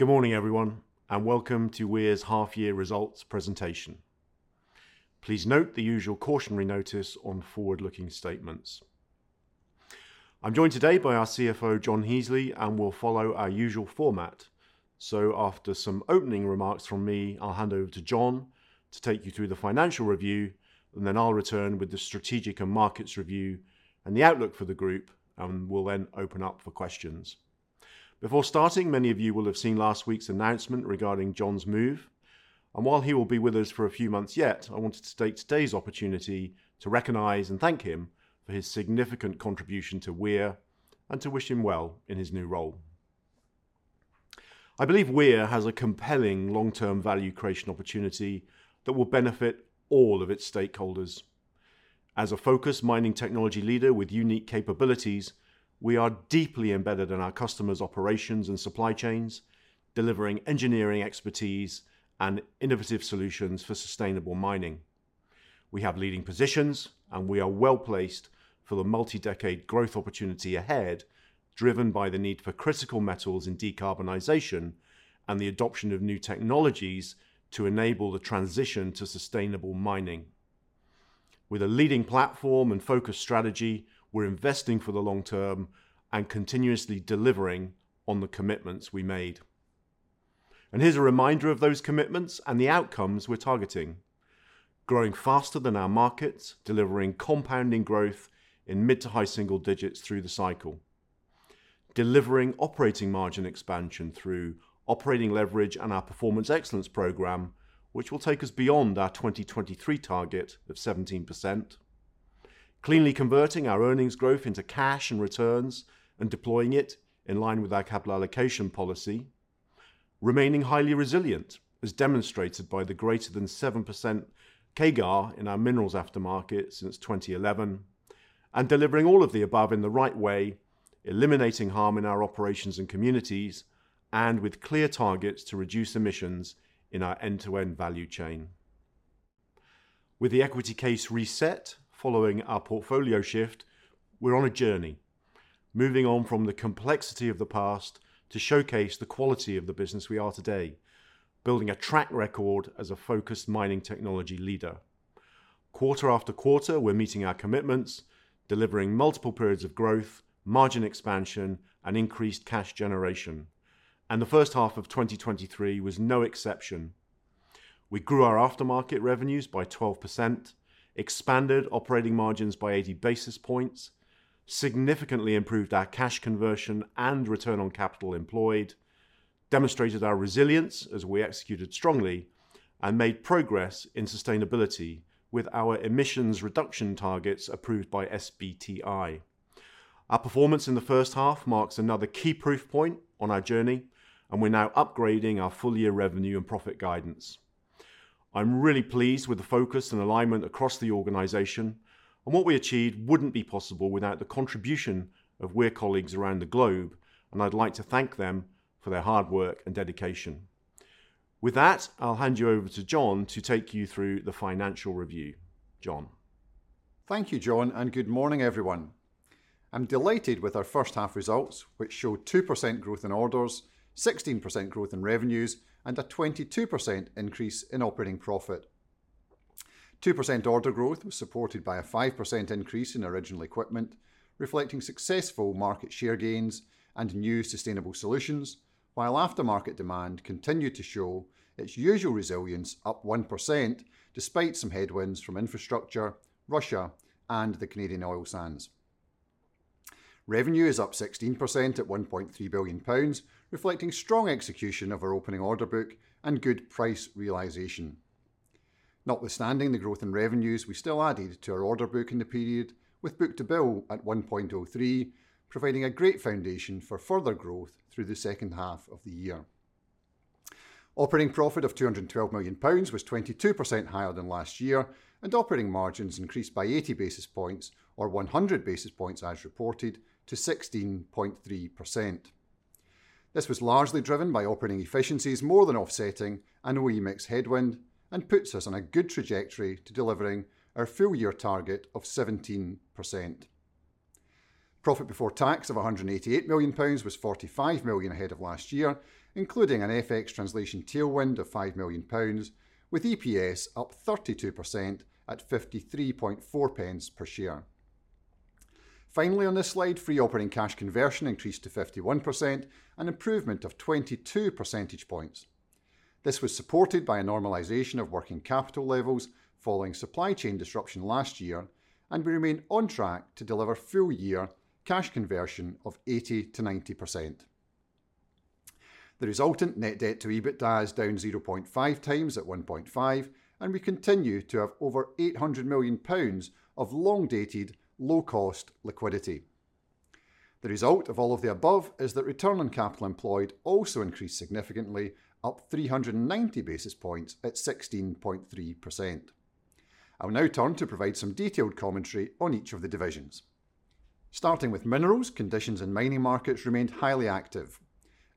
Good morning, everyone, and welcome to Weir's half year results presentation. Please note the usual cautionary notice on forward-looking statements. I'm joined today by our CFO, John Heasley. We'll follow our usual format. After some opening remarks from me, I'll hand over to John to take you through the financial review. Then I'll return with the strategic and markets review and the outlook for the group. We'll then open up for questions. Before starting, many of you will have seen last week's announcement regarding John's move. While he will be with us for a few months yet, I wanted to take today's opportunity to recognize and thank him for his significant contribution to Weir. To wish him well in his new role. I believe Weir has a compelling long-term value creation opportunity that will benefit all of its stakeholders. As a focused mining technology leader with unique capabilities, we are deeply embedded in our customers' operations and supply chains, delivering engineering expertise and innovative solutions for sustainable mining. We have leading positions, and we are well-placed for the multi-decade growth opportunity ahead, driven by the need for critical metals in decarbonization and the adoption of new technologies to enable the transition to sustainable mining. With a leading platform and focused strategy, we're investing for the long term and continuously delivering on the commitments we made. Here's a reminder of those commitments and the outcomes we're targeting: growing faster than our markets, delivering compounding growth in mid to high single digits through the cycle; delivering operating margin expansion through operating leverage and our Performance Excellence Program, which will take us beyond our 2023 target of 17%; cleanly converting our earnings growth into cash and returns and deploying it in line with our capital allocation policy; remaining highly resilient, as demonstrated by the greater than 7% CAGR in our minerals aftermarket since 2011; Delivering all of the above in the right way, eliminating harm in our operations and communities, and with clear targets to reduce emissions in our end-to-end value chain. With the equity case reset following our portfolio shift, we're on a journey, moving on from the complexity of the past to showcase the quality of the business we are today, building a track record as a focused mining technology leader. Quarter after quarter, we're meeting our commitments, delivering multiple periods of growth, margin expansion, and increased cash generation. The first half of 2023 was no exception. We grew our aftermarket revenues by 12%, expanded operating margins by 80 basis points, significantly improved our cash conversion and Return on Capital Employed, demonstrated our resilience as we executed strongly, and made progress in sustainability with our emissions reduction targets approved by SBTi. Our performance in the first half marks another key proof point on our journey. We're now upgrading our full year revenue and profit guidance. I'm really pleased with the focus and alignment across the organization. What we achieved wouldn't be possible without the contribution of Weir colleagues around the globe. I'd like to thank them for their hard work and dedication. With that, I'll hand you over to John to take you through the financial review. John? Thank you, John. Good morning, everyone. I'm delighted with our first half results, which show 2% growth in orders, 16% growth in revenues, and a 22% increase in operating profit. 2% order growth was supported by a 5% increase in original equipment, reflecting successful market share gains and new sustainable solutions, while aftermarket demand continued to show its usual resilience, up 1%, despite some headwinds from infrastructure, Russia, and the Canadian oil sands. Revenue is up 16% at 1.3 billion pounds, reflecting strong execution of our opening order book and good price realization. Notwithstanding the growth in revenues, we still added to our order book in the period, with book to bill at 1.03, providing a great foundation for further growth through the second half of the year. Operating profit of 212 million pounds was 22% higher than last year, and operating margins increased by 80 basis points, or 100 basis points as reported, to 16.3%. This was largely driven by operating efficiencies more than offsetting an OE mix headwind and puts us on a good trajectory to delivering our full year target of 17%. Profit before tax of 188 million pounds was 45 million ahead of last year, including an FX translation tailwind of 5 million pounds, with EPS up 32% at 53.4 pence per share. Finally, on this slide, free operating cash conversion increased to 51%, an improvement of 22 percentage points. This was supported by a normalization of working capital levels following supply chain disruption last year, and we remain on track to deliver full year cash conversion of 80%-90%. The resultant net debt to EBITDA is down 0.5x at 1.5, and we continue to have over 800 million pounds of long-dated, low-cost liquidity. The result of all of the above is that Return on Capital Employed also increased significantly, up 390 basis points at 16.3%. I will now turn to provide some detailed commentary on each of the divisions. Starting with minerals, conditions in mining markets remained highly active.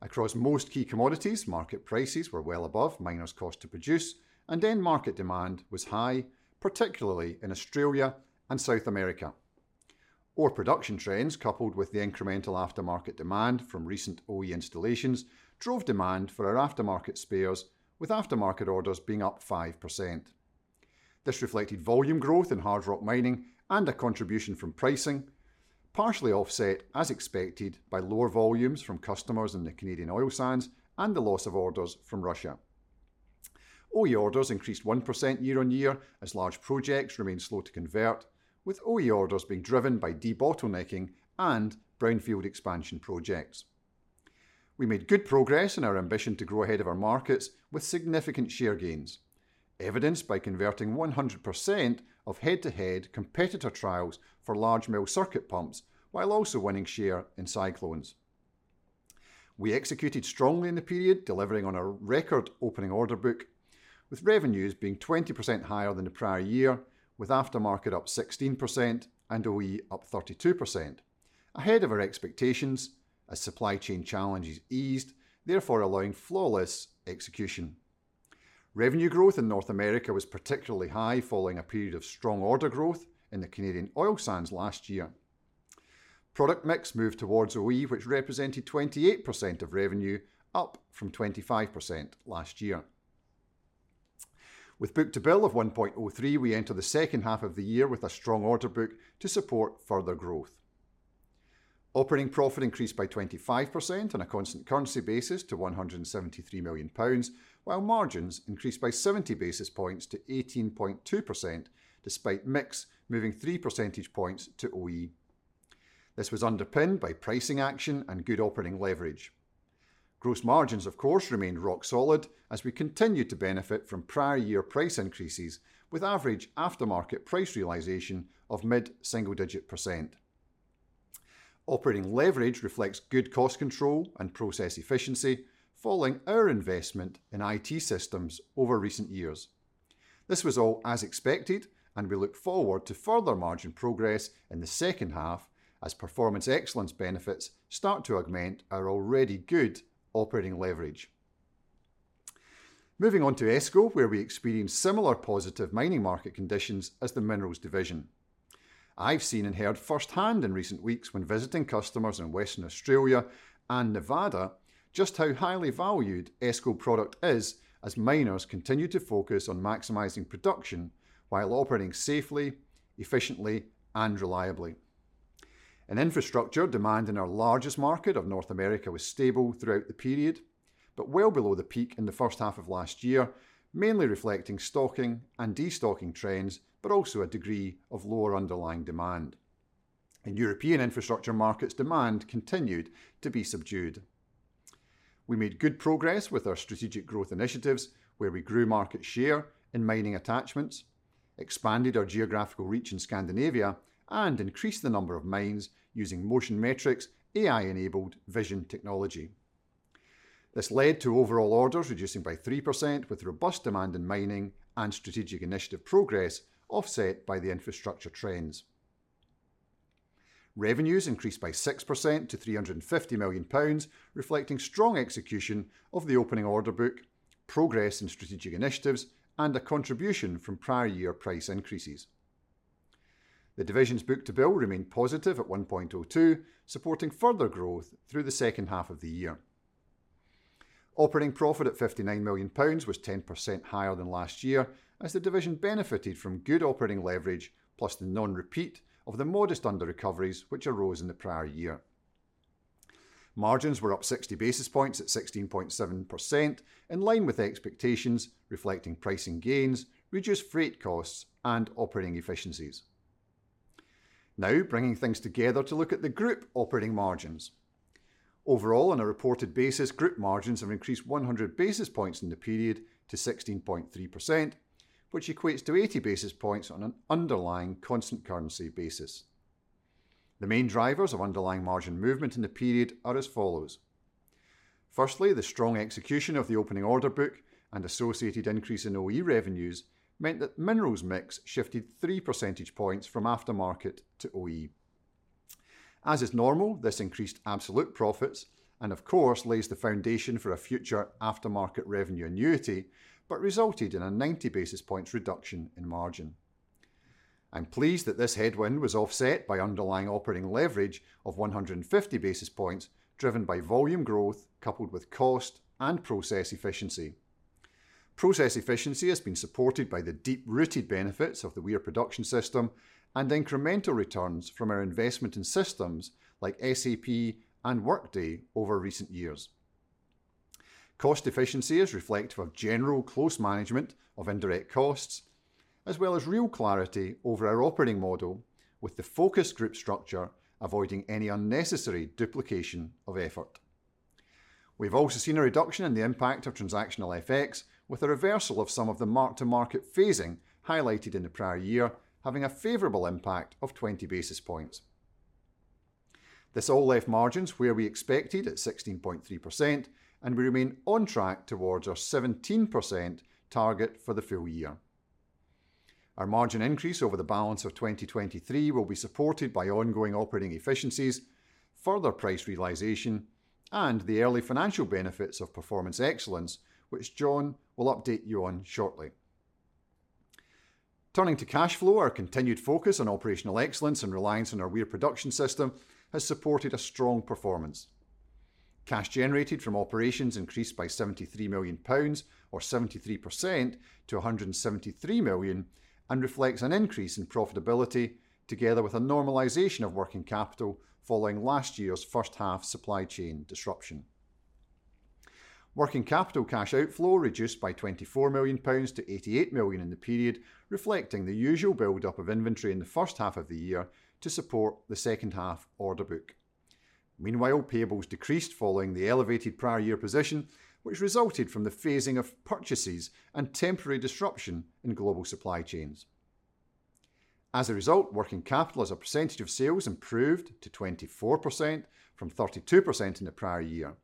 Across most key commodities, market prices were well above miners' cost to produce, end market demand was high, particularly in Australia and South America. Ore production trends, coupled with the incremental aftermarket demand from recent OE installations, drove demand for our aftermarket spares, with aftermarket orders being up 5%. This reflected volume growth in hard rock mining and a contribution from pricing, partially offset, as expected, by lower volumes from customers in the Canadian oil sands and the loss of orders from Russia. OE orders increased 1% year-on-year as large projects remained slow to convert, with OE orders being driven by debottlenecking and brownfield expansion projects. We made good progress in our ambition to grow ahead of our markets with significant share gains, evidenced by converting 100% of head-to-head competitor trials for large mill circuit pumps, while also winning share in cyclones. We executed strongly in the period, delivering on our record opening order book, with revenues being 20% higher than the prior year, with aftermarket up 16% and OE up 32%, ahead of our expectations as supply chain challenges eased, therefore allowing flawless execution. Revenue growth in North America was particularly high following a period of strong order growth in the Canadian oil sands last year. Product mix moved towards OE, which represented 28% of revenue, up from 25% last year. With book to bill of 1.03, we enter the second half of the year with a strong order book to support further growth. Operating profit increased by 25% on a constant currency basis to 173 million pounds, while margins increased by 70 basis points to 18.2%, despite mix moving 3 percentage points to OE. This was underpinned by pricing action and good operating leverage. Gross margins, of course, remained rock solid as we continued to benefit from prior year price increases, with average aftermarket price realization of mid-single-digit %. Operating leverage reflects good cost control and process efficiency, following our investment in IT systems over recent years. This was all as expected, and we look forward to further margin progress in the second half as performance excellence benefits start to augment our already good operating leverage. Moving on to ESCO, where we experienced similar positive mining market conditions as the Minerals division. I've seen and heard firsthand in recent weeks when visiting customers in Western Australia and Nevada, just how highly valued ESCO product is as miners continue to focus on maximizing production while operating safely, efficiently, and reliably. In infrastructure, demand in our largest market of North America was stable throughout the period, but well below the peak in the first half of last year, mainly reflecting stocking and destocking trends, but also a degree of lower underlying demand. In European infrastructure markets, demand continued to be subdued. We made good progress with our strategic growth initiatives, where we grew market share in mining attachments, expanded our geographical reach in Scandinavia, and increased the number of mines using Motion Metrics AI-enabled vision technology. This led to overall orders reducing by 3%, with robust demand in mining and strategic initiative progress offset by the infrastructure trends. Revenues increased by 6% to 350 million pounds, reflecting strong execution of the opening order book, progress in strategic initiatives, and a contribution from prior year price increases. The division's book to bill remained positive at 1.02, supporting further growth through the second half of the year. Operating profit at 59 million pounds was 10% higher than last year, as the division benefited from good operating leverage, plus the non-repeat of the modest underrecoveries which arose in the prior year. Margins were up 60 basis points at 16.7%, in line with expectations, reflecting pricing gains, reduced freight costs, and operating efficiencies. Bringing things together to look at the group operating margins. Overall, on a reported basis, group margins have increased 100 basis points in the period to 16.3%, which equates to 80 basis points on an underlying constant currency basis. The main drivers of underlying margin movement in the period are as follows: firstly, the strong execution of the opening order book and associated increase in OE revenues meant that minerals mix shifted 3 percentage points from aftermarket to OE. As is normal, this increased absolute profits, and of course, lays the foundation for a future aftermarket revenue annuity, but resulted in a 90 basis points reduction in margin. I'm pleased that this headwind was offset by underlying operating leverage of 150 basis points, driven by volume growth, coupled with cost and process efficiency. Process efficiency has been supported by the deep-rooted benefits of the Weir Production System and incremental returns from our investment in systems like SAP and Workday over recent years. Cost efficiency is reflective of general close management of indirect costs, as well as real clarity over our operating model with the focused group structure, avoiding any unnecessary duplication of effort. We've also seen a reduction in the impact of transactional FX, with a reversal of some of the mark-to-market phasing highlighted in the prior year, having a favorable impact of 20 basis points. This all left margins where we expected at 16.3%, and we remain on track towards our 17% target for the full year. Our margin increase over the balance of 2023 will be supported by ongoing operating efficiencies, further price realization, and the early financial benefits of performance excellence, which Jon will update you on shortly. Turning to cash flow, our continued focus on operational excellence and reliance on our Weir production system has supported a strong performance. Cash generated from operations increased by 73 million pounds, or 73%, to 173 million, and reflects an increase in profitability together with a normalization of working capital following last year's first half supply chain disruption. Working capital cash outflow reduced by 24 million pounds to 88 million in the period, reflecting the usual build-up of inventory in the first half of the year to support the second half order book. Meanwhile, payables decreased following the elevated prior year position, which resulted from the phasing of purchases and temporary disruption in global supply chains. As a result, working capital as a percentage of sales improved to 24% from 32% in the prior year.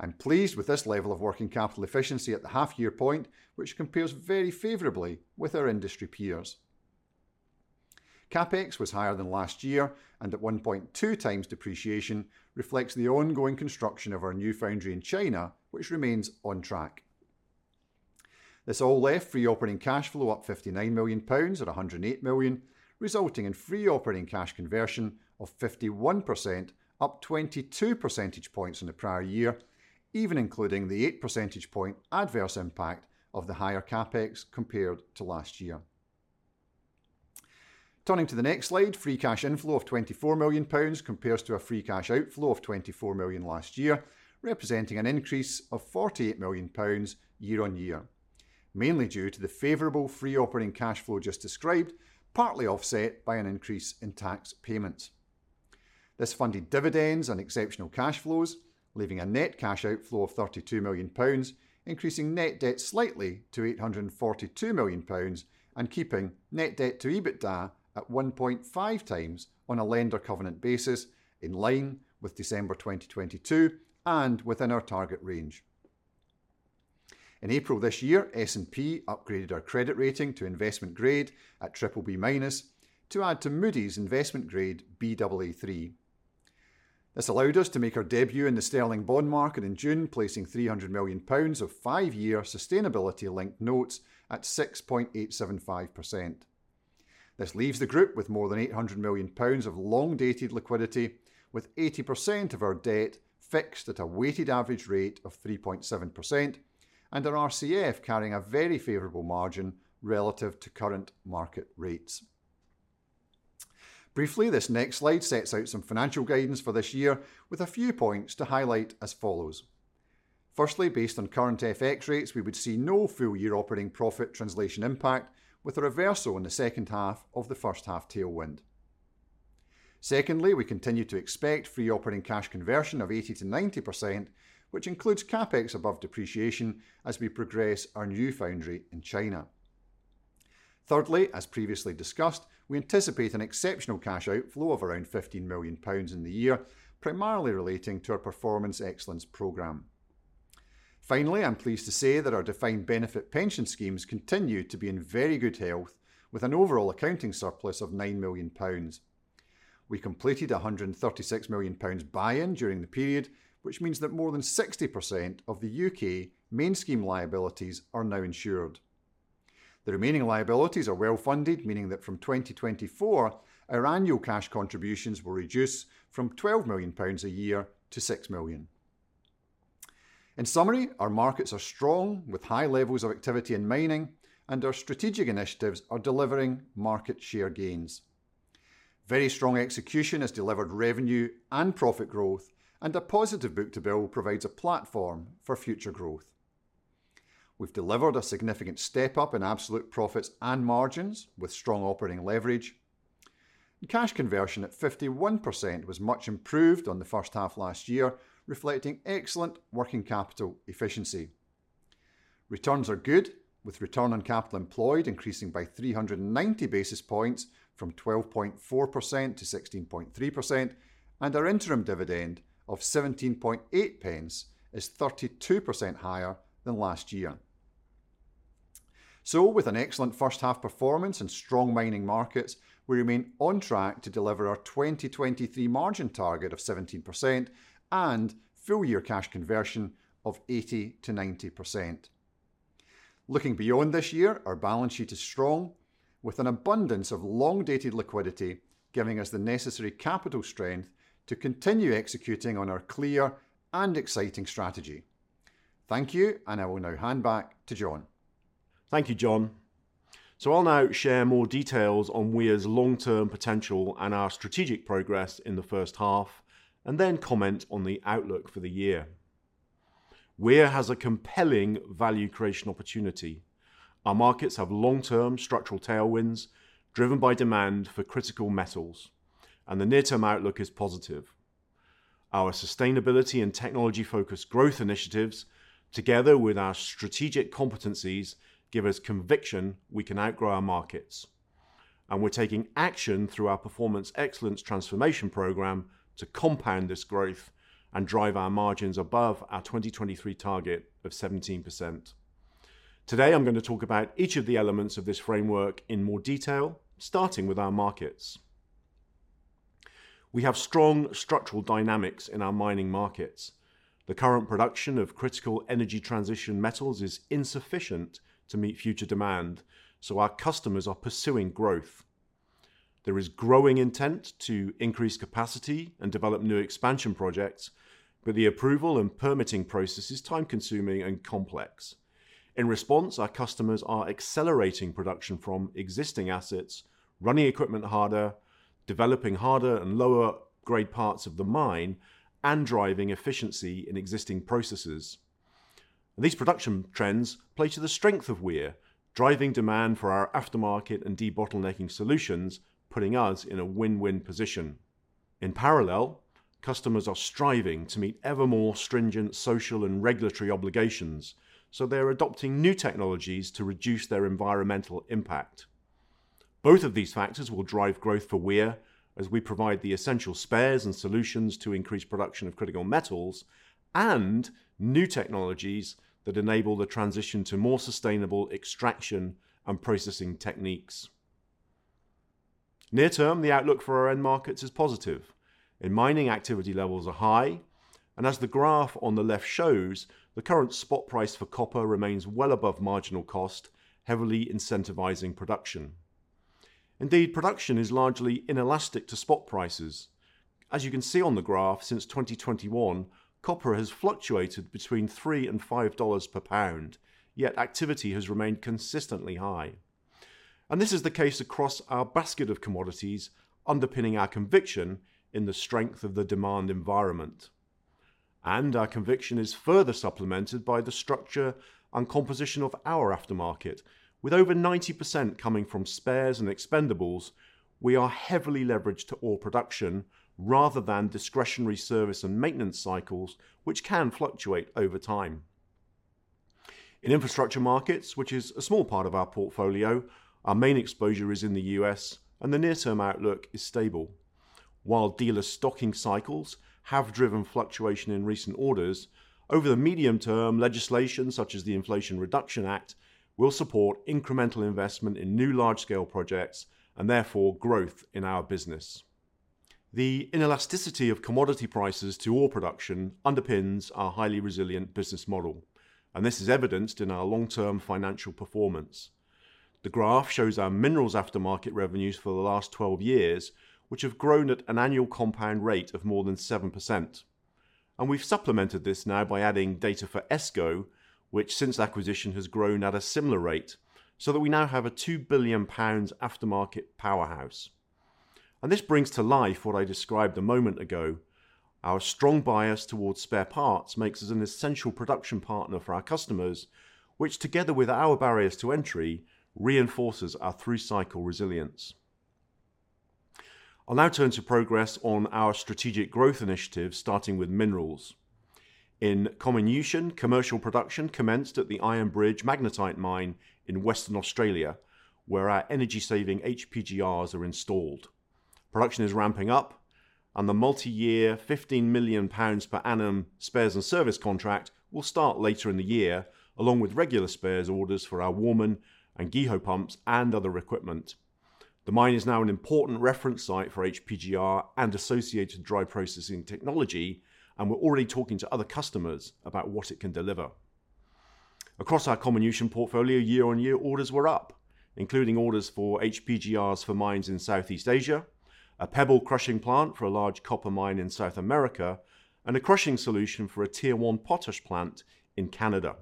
I'm pleased with this level of working capital efficiency at the half year point, which compares very favorably with our industry peers. CapEx was higher than last year, at 1.2x depreciation, reflects the ongoing construction of our new foundry in China, which remains on track. This all left free operating cash flow up 59 million pounds at 108 million, resulting in free operating cash conversion of 51%, up 22 percentage points in the prior year, even including the 8 percentage point adverse impact of the higher CapEx compared to last year. Turning to the next slide, free cash inflow of 24 million pounds compares to a free cash outflow of 24 million last year, representing an increase of 48 million pounds year-on-year, mainly due to the favorable free operating cash flow just described, partly offset by an increase in tax payments. This funded dividends and exceptional cash flows, leaving a net cash outflow of 32 million pounds, increasing net debt slightly to 842 million pounds, and keeping net debt to EBITDA at 1.5x on a lender covenant basis, in line with December 2022 and within our target range. In April this year, S&P upgraded our credit rating to investment grade at BBB- to add to Moody's investment grade, Baa3. This allowed us to make our debut in the sterling bond market in June, placing 300 million pounds of 5-year sustainability-linked notes at 6.875%. This leaves the group with more than 800 million pounds of long-dated liquidity, with 80% of our debt fixed at a weighted average rate of 3.7%, and our RCF carrying a very favorable margin relative to current market rates. Briefly, this next slide sets out some financial guidance for this year, with a few points to highlight as follows: Firstly, based on current FX rates, we would see no full year operating profit translation impact, with a reversal in the second half of the first half tailwind. Secondly, we continue to expect free operating cash conversion of 80%-90%, which includes CapEx above depreciation as we progress our new foundry in China. Thirdly, as previously discussed, we anticipate an exceptional cash outflow of around 15 million pounds in the year, primarily relating to our performance excellence program. Finally, I'm pleased to say that our defined benefit pension schemes continue to be in very good health, with an overall accounting surplus of 9 million pounds. We completed a 136 million pounds buy-in during the period, which means that more than 60% of the UK main scheme liabilities are now insured. The remaining liabilities are well funded, meaning that from 2024, our annual cash contributions will reduce from 12 million pounds a year to 6 million. In summary, our markets are strong, with high levels of activity in mining, and our strategic initiatives are delivering market share gains. Very strong execution has delivered revenue and profit growth, and a positive book-to-bill provides a platform for future growth. We've delivered a significant step up in absolute profits and margins with strong operating leverage. Cash conversion at 51% was much improved on the first half last year, reflecting excellent working capital efficiency. Returns are good, with Return on Capital Employed increasing by 390 basis points from 12.4% to 16.3%, and our interim dividend of 17.8 pence is 32% higher than last year. With an excellent first half performance and strong mining markets, we remain on track to deliver our 2023 margin target of 17% and full year cash conversion of 80%-90%. Looking beyond this year, our balance sheet is strong, with an abundance of long-dated liquidity, giving us the necessary capital strength to continue executing on our clear and exciting strategy. Thank you, and I will now hand back to John. Thank you, John. I'll now share more details on Weir's long-term potential and our strategic progress in the first half, and then comment on the outlook for the year. Weir has a compelling value creation opportunity. Our markets have long-term structural tailwinds, driven by demand for critical metals, and the near-term outlook is positive. Our sustainability and technology-focused growth initiatives, together with our strategic competencies, give us conviction we can outgrow our markets. We're taking action through our performance excellence transformation program to compound this growth and drive our margins above our 2023 target of 17%. Today, I'm going to talk about each of the elements of this framework in more detail, starting with our markets. We have strong structural dynamics in our mining markets. The current production of critical energy transition metals is insufficient to meet future demand, so our customers are pursuing growth. There is growing intent to increase capacity and develop new expansion projects, the approval and permitting process is time-consuming and complex. In response, our customers are accelerating production from existing assets, running equipment harder, developing harder and lower grade parts of the mine, and driving efficiency in existing processes. These production trends play to the strength of Weir, driving demand for our aftermarket and debottlenecking solutions, putting us in a win-win position. In parallel, customers are striving to meet ever more stringent social and regulatory obligations, they are adopting new technologies to reduce their environmental impact. Both of these factors will drive growth for Weir as we provide the essential spares and solutions to increase production of critical metals and new technologies that enable the transition to more sustainable extraction and processing techniques. Near term, the outlook for our end markets is positive, mining activity levels are high, as the graph on the left shows, the current spot price for copper remains well above marginal cost, heavily incentivizing production. Indeed, production is largely inelastic to spot prices. As you can see on the graph, since 2021, copper has fluctuated between $3 and $5 per pound, yet activity has remained consistently high. This is the case across our basket of commodities, underpinning our conviction in the strength of the demand environment. Our conviction is further supplemented by the structure and composition of our aftermarket. With over 90% coming from spares and expendables, we are heavily leveraged to ore production rather than discretionary service and maintenance cycles, which can fluctuate over time. In infrastructure markets, which is a small part of our portfolio, our main exposure is in the U.S., and the near-term outlook is stable. While dealer stocking cycles have driven fluctuation in recent orders, over the medium term, legislation such as the Inflation Reduction Act, will support incremental investment in new large-scale projects and therefore growth in our business. The inelasticity of commodity prices to ore production underpins our highly resilient business model, and this is evidenced in our long-term financial performance. The graph shows our minerals aftermarket revenues for the last 12 years, which have grown at an annual compound rate of more than 7%. We've supplemented this now by adding data for ESCO, which, since acquisition, has grown at a similar rate, so that we now have a 2 billion pounds aftermarket powerhouse. This brings to life what I described a moment ago. Our strong bias towards spare parts makes us an essential production partner for our customers, which, together with our barriers to entry, reinforces our through-cycle resilience. I'll now turn to progress on our strategic growth initiatives, starting with minerals. In comminution, commercial production commenced at the Iron Bridge Magnetite Mine in Western Australia, where our energy-saving HPGRs are installed. Production is ramping up, and the multi-year, 15 million pounds per annum spares and service contract will start later in the year, along with regular spares orders for our Warman and GEHO pumps and other equipment. The mine is now an important reference site for HPGR and associated dry processing technology, and we're already talking to other customers about what it can deliver. Across our comminution portfolio, year-on-year, orders were up, including orders for HPGRs for mines in Southeast Asia, a pebble crushing plant for a large copper mine in South America, and a crushing solution for a Tier One potash plant in Canada.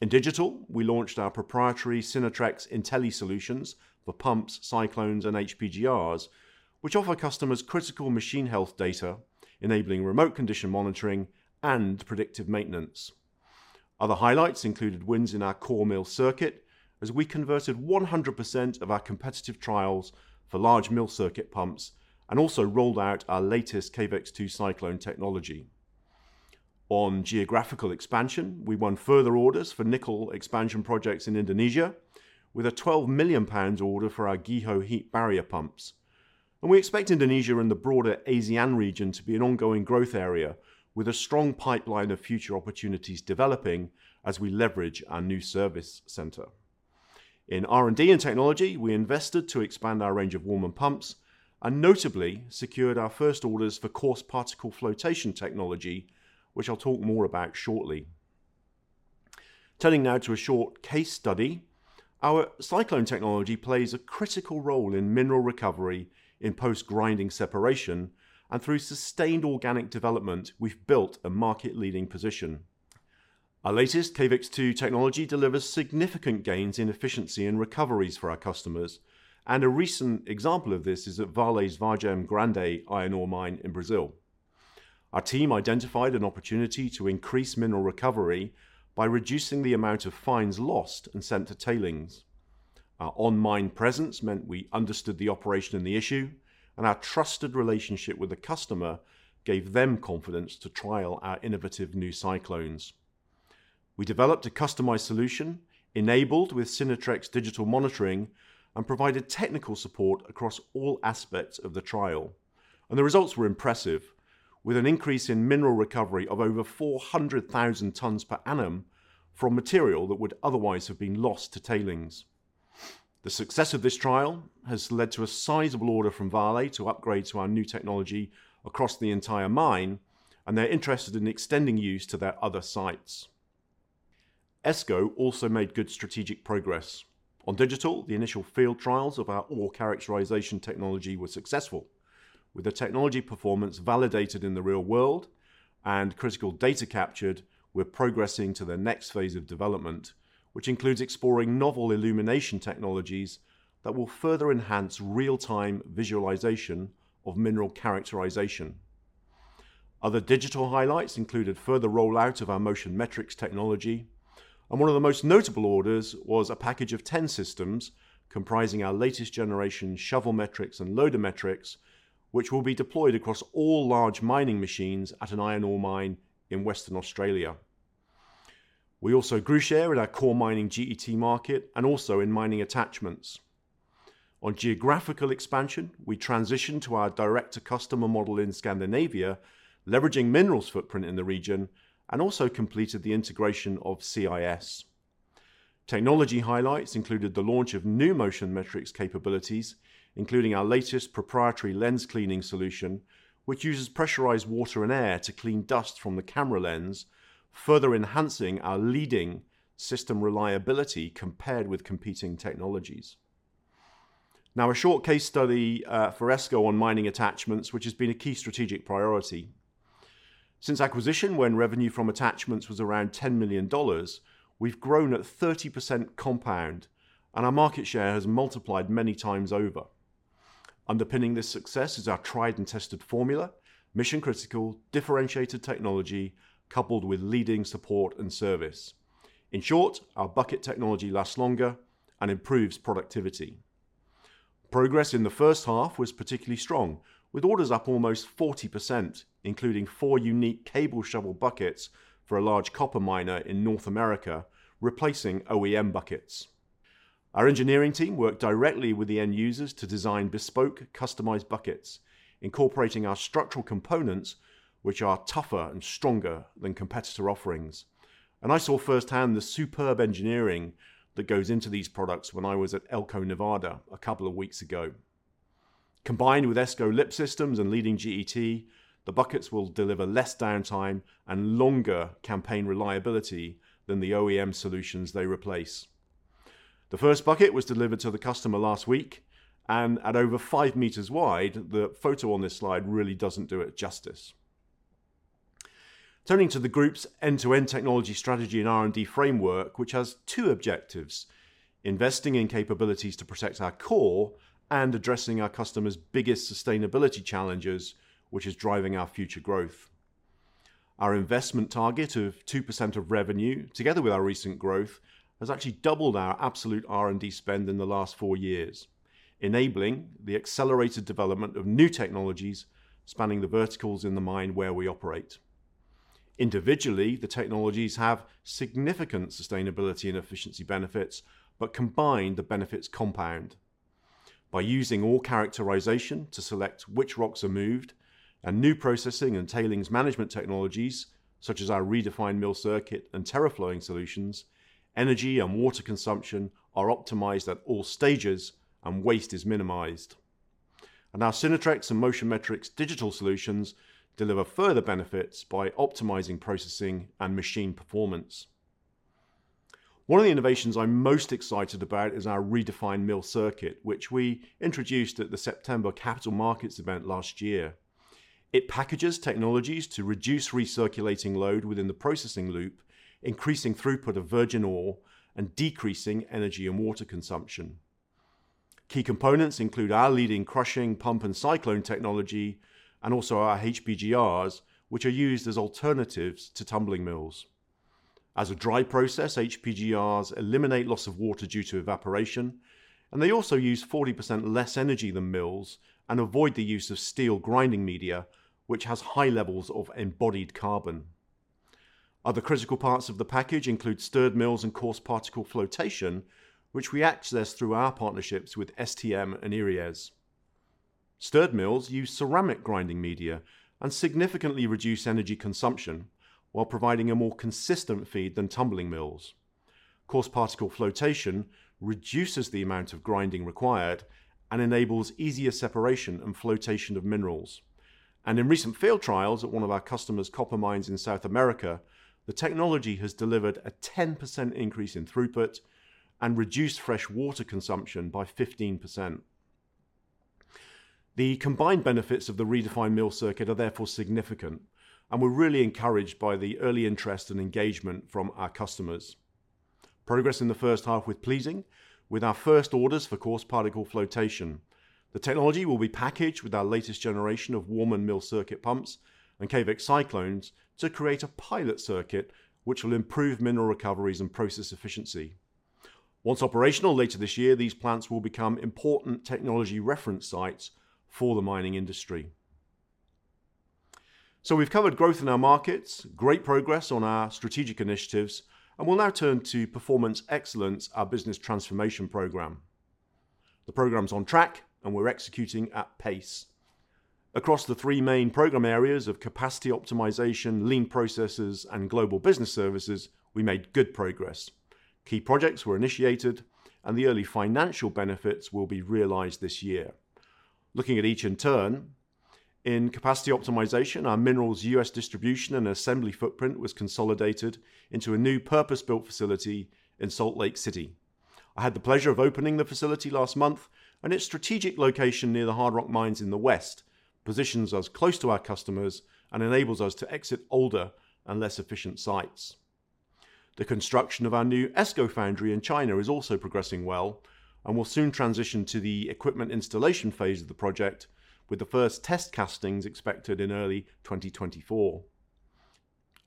In digital, we launched our proprietary Synertrex IntelliSolutions for pumps, cyclones, and HPGRs, which offer customers critical machine health data, enabling remote condition monitoring and predictive maintenance. Other highlights included wins in our core mill circuit as we converted 100% of our competitive trials for large mill circuit pumps and also rolled out our latest Cavex 2 cyclone technology. On geographical expansion, we won further orders for nickel expansion projects in Indonesia with a 12 million pounds order for our GEHO heat barrier pumps. We expect Indonesia and the broader ASEAN region to be an ongoing growth area with a strong pipeline of future opportunities developing as we leverage our new service center. In R&D and technology, we invested to expand our range of Warman pumps and notably secured our first orders for coarse particle flotation technology, which I'll talk more about shortly. Turning now to a short case study, our cyclone technology plays a critical role in mineral recovery in post-grinding separation, and through sustained organic development, we've built a market-leading position. Our latest Cavex 2 technology delivers significant gains in efficiency and recoveries for our customers, and a recent example of this is at Vale's Vargem Grande iron ore mine in Brazil. Our team identified an opportunity to increase mineral recovery by reducing the amount of fines lost and sent to tailings. Our on-mine presence meant we understood the operation and the issue, our trusted relationship with the customer gave them confidence to trial our innovative new cyclones. We developed a customized solution, enabled with Synertrex digital monitoring, provided technical support across all aspects of the trial. The results were impressive with an increase in mineral recovery of over 400,000 tons per annum from material that would otherwise have been lost to tailings. The success of this trial has led to a sizable order from Vale to upgrade to our new technology across the entire mine. They're interested in extending use to their other sites. ESCO also made good strategic progress. On digital, the initial field trials of our ore characterization technology were successful. With the technology performance validated in the real world and critical data captured, we're progressing to the next phase of development, which includes exploring novel illumination technologies that will further enhance real-time visualization of mineral characterization. Other digital highlights included further rollout of our Motion Metrics technology, One of the most notable orders was a package of 10 systems comprising our latest generation ShovelMetrics and LoaderMetrics, which will be deployed across all large mining machines at an iron ore mine in Western Australia. We also grew share in our core mining GET market and also in mining attachments. On geographical expansion, we transitioned to our direct-to-customer model in Scandinavia, leveraging Minerals' footprint in the region, and also completed the integration of CIS. Technology highlights included the launch of new Motion Metrics capabilities, including our latest proprietary lens cleaning solution, which uses pressurized water and air to clean dust from the camera lens, further enhancing our leading system reliability compared with competing technologies. A short case study for ESCO on mining attachments, which has been a key strategic priority. Since acquisition, when revenue from attachments was around $10 million, we've grown at 30% compound, and our market share has multiplied many times over. Underpinning this success is our tried and tested formula: mission-critical, differentiated technology, coupled with leading support and service. In short, our bucket technology lasts longer and improves productivity. Progress in the first half was particularly strong, with orders up almost 40%, including four unique cable shovel buckets for a large copper miner in North America, replacing OEM buckets. Our engineering team worked directly with the end users to design bespoke, customized buckets, incorporating our structural components, which are tougher and stronger than competitor offerings. I saw firsthand the superb engineering that goes into these products when I was at Elko, Nevada, a couple of weeks ago. Combined with ESCO lip systems and leading GET, the buckets will deliver less downtime and longer campaign reliability than the OEM solutions they replace. The first bucket was delivered to the customer last week, and at over 5m wide, the photo on this slide really doesn't do it justice. Turning to the Group's end-to-end technology strategy and R&D framework, which has 2 objectives: investing in capabilities to protect our core and addressing our customers' biggest sustainability challenges, which is driving our future growth. Our investment target of 2% of revenue, together with our recent growth, has actually doubled our absolute R&D spend in the last four years, enabling the accelerated development of new technologies spanning the verticals in the mine where we operate. Individually, the technologies have significant sustainability and efficiency benefits, but combined, the benefits compound. By using ore characterization to select which rocks are moved and new processing and tailings management technologies, such as our Redefine Mill Circuit and Terraflowing solutions, energy and water consumption are optimized at all stages and waste is minimized. Our Synertrex and Motion Metrics digital solutions deliver further benefits by optimizing processing and machine performance. One of the innovations I'm most excited about is our Redefine Mill Circuit, which we introduced at the September capital markets event last year. It packages technologies to reduce recirculating load within the processing loop, increasing throughput of virgin ore and decreasing energy and water consumption. Key components include our leading crushing pump and cyclone technology and also our HPGRs, which are used as alternatives to tumbling mills. As a dry process, HPGRs eliminate loss of water due to evaporation. They also use 40% less energy than mills and avoid the use of steel grinding media, which has high levels of embodied carbon. Other critical parts of the package include stirred mills and coarse particle flotation, which we access through our partnerships with STM and Eriez. Stirred mills use ceramic grinding media and significantly reduce energy consumption while providing a more consistent feed than tumbling mills. Coarse particle flotation reduces the amount of grinding required and enables easier separation and flotation of minerals. In recent field trials at one of our customers' copper mines in South America, the technology has delivered a 10% increase in throughput and reduced fresh water consumption by 15%. The combined benefits of the Redefine Mill Circuit are therefore significant, and we're really encouraged by the early interest and engagement from our customers. Progress in the first half was pleasing, with our first orders for coarse particle flotation. The technology will be packaged with our latest generation of Warman mill circuit pumps and Cavex cyclones to create a pilot circuit, which will improve mineral recoveries and process efficiency. Once operational later this year, these plants will become important technology reference sites for the mining industry. We've covered growth in our markets, great progress on our strategic initiatives, and we'll now turn to Performance Excellence, our business transformation program. The program's on track. We're executing at pace. Across the three main program areas of capacity optimization, lean processes, and global business services, we made good progress. Key projects were initiated. The early financial benefits will be realized this year. Looking at each in turn, in capacity optimization, our minerals US distribution and assembly footprint was consolidated into a new purpose-built facility in Salt Lake City. I had the pleasure of opening the facility last month. Its strategic location near the hard rock mines in the west positions us close to our customers and enables us to exit older and less efficient sites. The construction of our new ESCO foundry in China is also progressing well and will soon transition to the equipment installation phase of the project, with the first test castings expected in early 2024.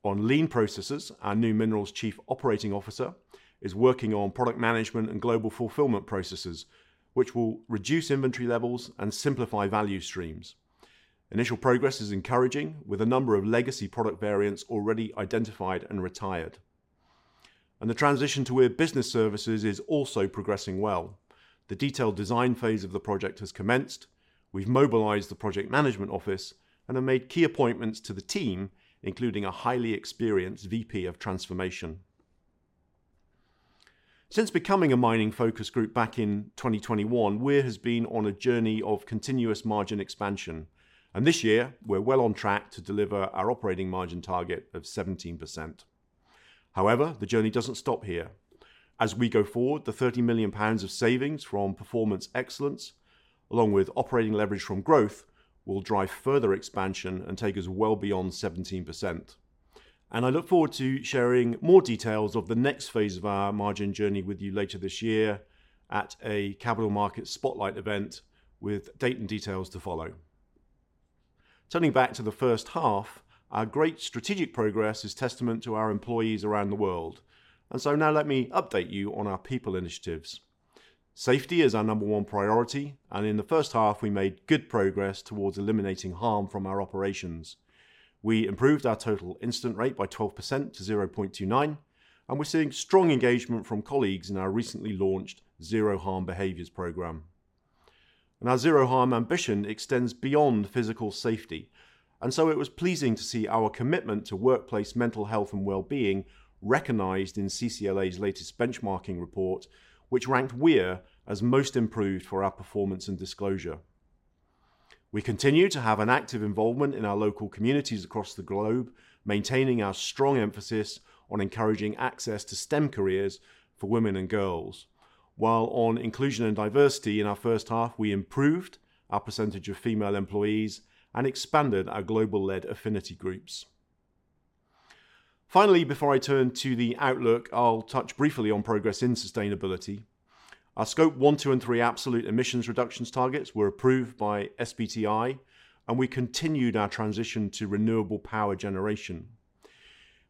On lean processes, our new minerals Chief Operating Officer is working on product management and global fulfillment processes, which will reduce inventory levels and simplify value streams. Initial progress is encouraging, with a number of legacy product variants already identified and retired. The transition to Weir Business Services is also progressing well. The detailed design phase of the project has commenced. We've mobilized the project management office and have made key appointments to the team, including a highly experienced VP of Transformation. Since becoming a mining-focused group back in 2021, Weir has been on a journey of continuous margin expansion, this year, we're well on track to deliver our operating margin target of 17%. However, the journey doesn't stop here. As we go forward, the 30 million pounds of savings from performance excellence, along with operating leverage from growth, will drive further expansion and take us well beyond 17%. I look forward to sharing more details of the next phase of our margin journey with you later this year at a capital market spotlight event, with date and details to follow. Turning back to the first half, our great strategic progress is testament to our employees around the world, and so now let me update you on our people initiatives. Safety is our number one priority, and in the first half, we made good progress towards eliminating harm from our operations. We improved our total incident rate by 12% to 0.29, and we're seeing strong engagement from colleagues in our recently launched Zero Harm Behaviors program. Our zero harm ambition extends beyond physical safety, and so it was pleasing to see our commitment to workplace mental health and well-being recognized in CCLA's latest benchmarking report, which ranked Weir as most improved for our performance and disclosure. We continue to have an active involvement in our local communities across the globe, maintaining our strong emphasis on encouraging access to STEM careers for women and girls. While on inclusion and diversity in our first half, we improved our percentage of female employees and expanded our global-led affinity groups. Before I turn to the outlook, I'll touch briefly on progress in sustainability. Our Scope 1, 2, and 3 absolute emissions reductions targets were approved by SBTi, and we continued our transition to renewable power generation.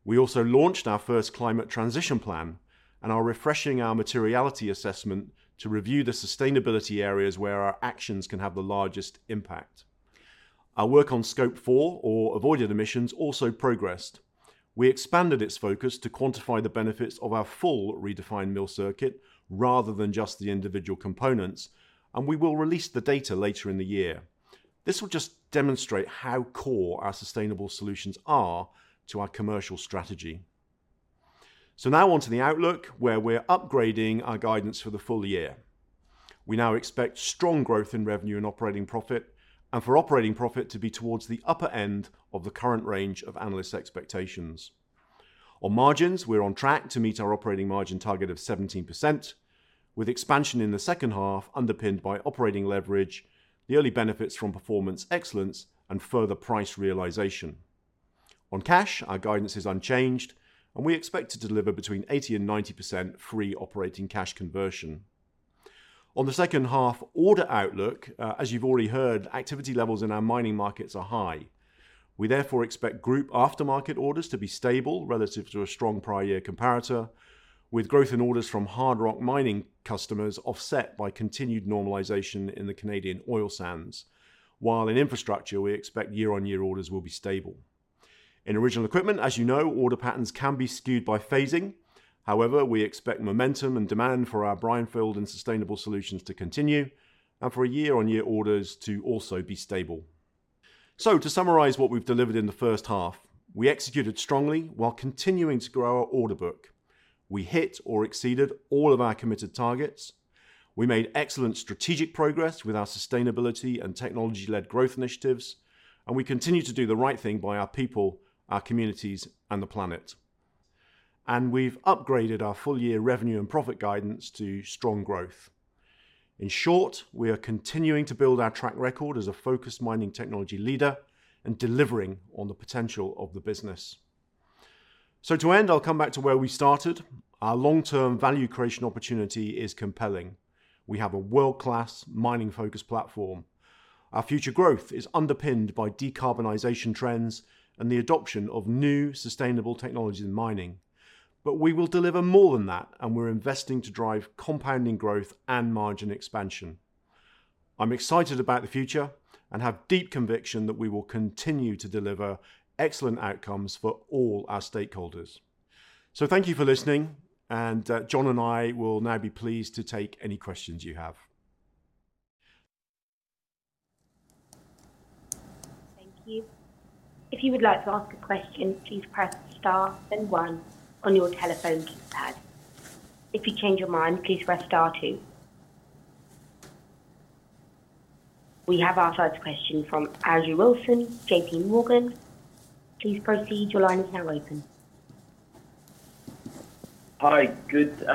We also launched our first climate transition plan and are refreshing our materiality assessment to review the sustainability areas where our actions can have the largest impact. Our work on Scope Four, or avoided emissions, also progressed. We expanded its focus to quantify the benefits of our full Redefine Mill Circuit rather than just the individual components. We will release the data later in the year. This will just demonstrate how core our sustainable solutions are to our commercial strategy. Now on to the outlook, where we're upgrading our guidance for the full year. We now expect strong growth in revenue and operating profit and for operating profit to be towards the upper end of the current range of analyst expectations. On margins, we're on track to meet our operating margin target of 17%, with expansion in the second half underpinned by operating leverage, the early benefits from performance excellence, and further price realization. On cash, our guidance is unchanged, and we expect to deliver between 80% and 90% free operating cash conversion. On the second half order outlook, as you've already heard, activity levels in our mining markets are high. We therefore expect group aftermarket orders to be stable relative to a strong prior year comparator, with growth in orders from hard rock mining customers offset by continued normalization in the Canadian oil sands. While in infrastructure, we expect year-on-year orders will be stable. In original equipment, as you know, order patterns can be skewed by phasing. However, we expect momentum and demand for our brownfield and sustainable solutions to continue and for year-on-year orders to also be stable. To summarize what we've delivered in the first half, we executed strongly while continuing to grow our order book. We hit or exceeded all of our committed targets. We made excellent strategic progress with our sustainability and technology-led growth initiatives, and we continue to do the right thing by our people, our communities, and the planet. We've upgraded our full-year revenue and profit guidance to strong growth. In short, we are continuing to build our track record as a focused mining technology leader and delivering on the potential of the business. To end, I'll come back to where we started. Our long-term value creation opportunity is compelling. We have a world-class mining-focused platform. Our future growth is underpinned by decarbonization trends and the adoption of new sustainable technologies in mining. We will deliver more than that, and we're investing to drive compounding growth and margin expansion. I'm excited about the future and have deep conviction that we will continue to deliver excellent outcomes for all our stakeholders. Thank you for listening, and John and I will now be pleased to take any questions you have. Thank you. If you would like to ask a question, please press star, then one on your telephone keypad. If you change your mind, please press star two. We have our first question from Andrew Wilson, JP Morgan. Please proceed. Your line is now open. Hi. Good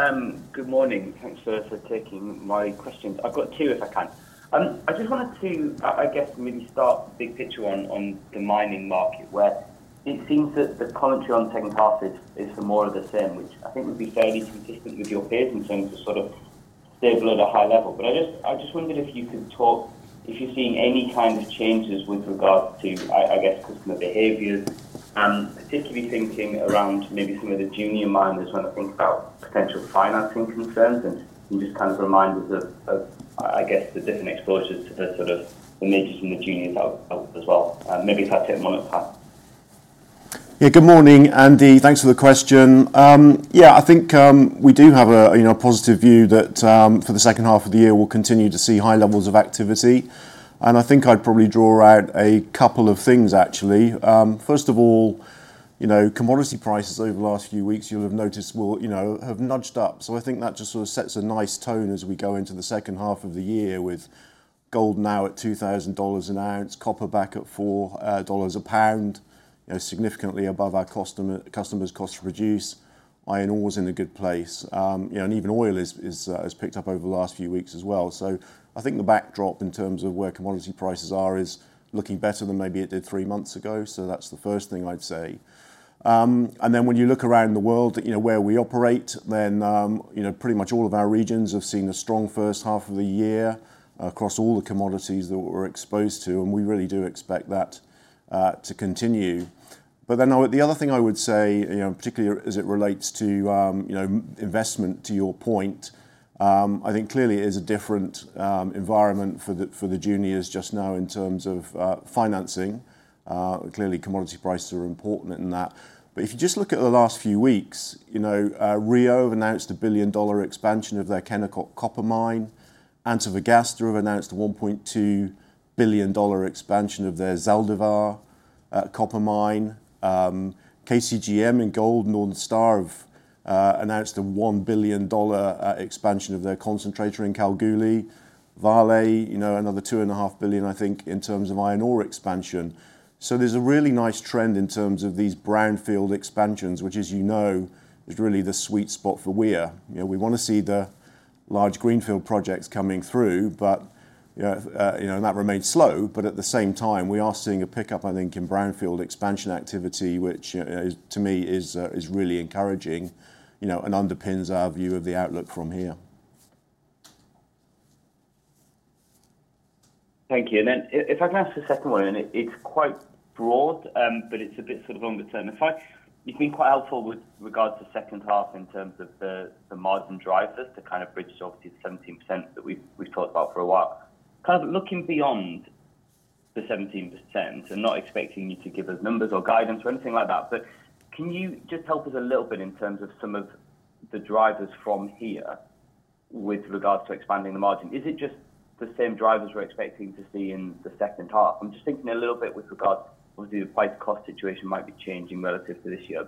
morning. Thanks for, for taking my questions. I've got two, if I can. I just wanted to, I guess, maybe start big picture on, on the mining market, where it seems that the commentary on second half is, is for more of the same, which I think would be fairly consistent with your peers in terms of sort of stable at a high level. I just, I just wondered if you could talk, if you're seeing any kind of changes with regards to, I guess, customer behaviors, and particularly thinking around maybe some of the junior miners when I think about potential financing concerns, and can you just kind of remind us of, of, I guess, the different exposures to the sort of the majors from the juniors as well? Maybe if I take a moment to pause. Yeah. Good morning, Andy. Thanks for the question. Yeah, I think, we do have a, you know, positive view that for the second half of the year, we'll continue to see high levels of activity. I think I'd probably draw out a couple of things, actually. First of all, you know, commodity prices over the last few weeks, you'll have noticed, will, you know, have nudged up. I think that just sort of sets a nice tone as we go into the second half of the year with gold now at $2,000 an ounce, copper back at $4 a pound, you know, significantly above our customers cost to produce. Iron ore is in a good place. You know, even oil is, is has picked up over the last few weeks as well. I think the backdrop in terms of where commodity prices are is looking better than maybe it did three months ago. That's the first thing I'd say. When you look around the world, you know, where we operate, then, you know, pretty much all of our regions have seen a strong first half of the year across all the commodities that we're exposed to, and we really do expect that to continue. Now, the other thing I would say, you know, particularly as it relates to, you know, investment, to your point, I think clearly it is a different environment for the, for the juniors just now in terms of financing. Clearly, commodity prices are important in that. If you just look at the last few weeks, you know, Rio have announced a billion-dollar expansion of their Kennecott Copper Mine. Antofagasta have announced a $1.2 billion expansion of their Zaldívar copper mine. KCGM and Northern Star have announced a $1 billion expansion of their concentrator in Kalgoorlie. Vale, you know, another $2.5 billion, I think, in terms of iron ore expansion. There's a really nice trend in terms of these brownfield expansions, which, as you know, is really the sweet spot for Weir. You know, we wanna see the large greenfield projects coming through, but, you know, and that remains slow, but at the same time, we are seeing a pickup, I think, in brownfield expansion activity, which, is, to me, is really encouraging, you know, and underpins our view of the outlook from here. Thank you. If I can ask a second one, and it's quite broad, but it's a bit sort of longer term. It's been quite helpful with regards to second half in terms of the, the margin drivers to kind of bridge obviously, the 17% that we've talked about for a while. Kind of looking beyond the 17%, I'm not expecting you to give us numbers or guidance or anything like that, but can you just help us a little bit in terms of some of the drivers from here with regards to expanding the margin? Is it just the same drivers we're expecting to see in the second half? I'm just thinking a little bit with regards to the price-cost situation might be changing relative to this year.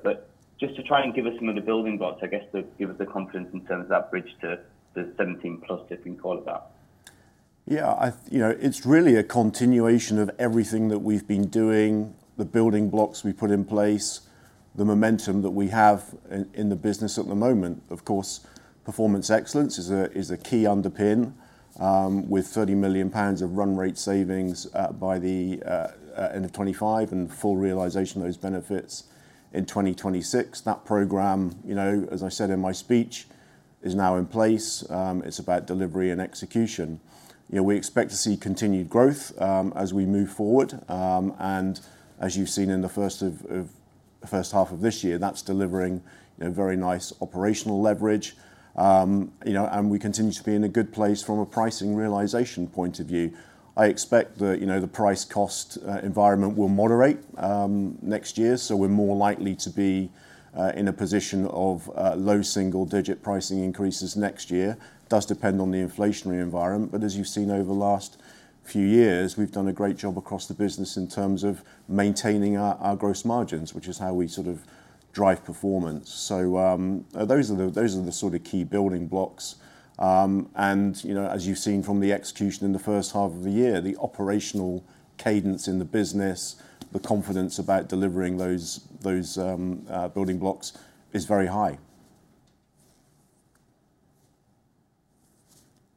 Just to try and give us some of the building blocks, I guess, to give us the confidence in terms of that bridge to the 17+, if we can call it that. Yeah, I... You know, it's really a continuation of everything that we've been doing, the building blocks we put in place, the momentum that we have in, in the business at the moment. Of course, performance excellence is a key underpin, with 30 million pounds of run rate savings by the end of 2025 and full realization of those benefits in 2026. That program, you know, as I said in my speech, is now in place. It's about delivery and execution. You know, we expect to see continued growth as we move forward. As you've seen in the first of, the first half of this year, that's delivering, you know, very nice operational leverage. You know, and we continue to be in a good place from a pricing realization point of view. I expect that, you know, the price-cost environment will moderate next year, so we're more likely to be in a position of low single-digit pricing increases next year. Does depend on the inflationary environment, but as you've seen over the last few years, we've done a great job across the business in terms of maintaining our gross margins, which is how we sort of drive performance. Those are the, those are the sort of key building blocks. You know, as you've seen from the execution in the first half of the year, the operational cadence in the business, the confidence about delivering those, those building blocks is very high.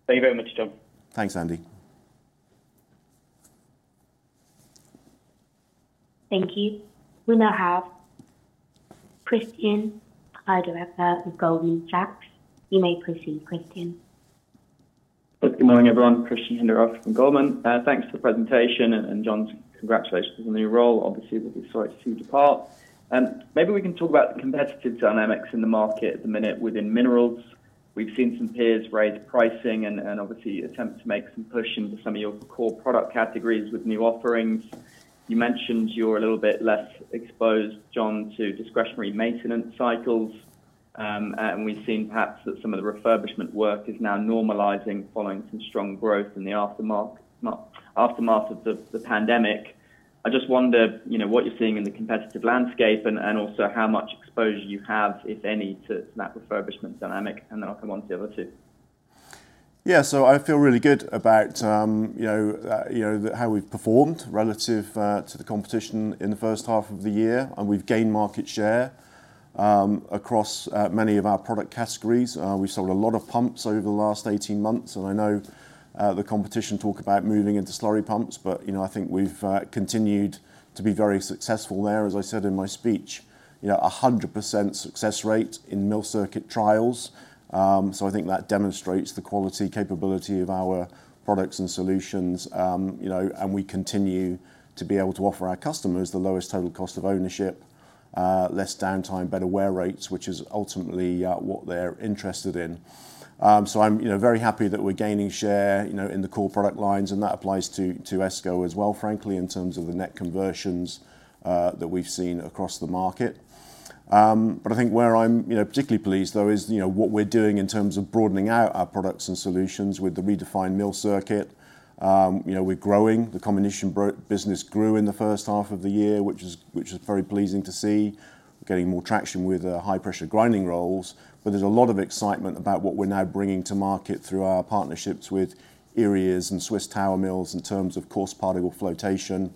Thank you very much, Jon. Thanks, Andy. Thank you. We now have Christian, director of Goldman Sachs. You may proceed, Christian. Good morning, everyone. Christian Hinderaker from Goldman. Thanks for the presentation, Jon, congratulations on the new role. Obviously, we're sorry to see you depart. Maybe we can talk about the competitive dynamics in the market at the minute within minerals. We've seen some peers raise pricing and obviously attempt to make some push into some of your core product categories with new offerings.... You mentioned you're a little bit less exposed, Jon, to discretionary maintenance cycles. We've seen perhaps that some of the refurbishment work is now normalizing following some strong growth in the aftermath of the pandemic. I just wonder, you know, what you're seeing in the competitive landscape and also how much exposure you have, if any, to that refurbishment dynamic, and then I'll come on to the other two. I feel really good about, you know, you know, the, how we've performed relative to the competition in the first half of the year. We've gained market share across many of our product categories. We sold a lot of pumps over the last 18 months. I know the competition talk about moving into slurry pumps, I think we've continued to be very successful there. As I said in my speech, you know, 100% success rate in mill circuit trials. So I think that demonstrates the quality capability of our products and solutions, you know, and we continue to be able to offer our customers the lowest total cost of ownership, less downtime, better wear rates, which is ultimately what they're interested in. I'm, you know, very happy that we're gaining share, you know, in the core product lines, and that applies to, to ESCO as well, frankly, in terms of the net conversions that we've seen across the market. I think where I'm, you know, particularly pleased, though, is, you know, what we're doing in terms of broadening out our products and solutions with the Redefine Mill Circuit. You know, we're growing. The comminution business grew in the first half of the year, which is, which is very pleasing to see. We're getting more traction with High-Pressure Grinding Rolls. There's a lot of excitement about what we're now bringing to market through our partnerships with Eriez and Swiss Tower Mills in terms of coarse particle flotation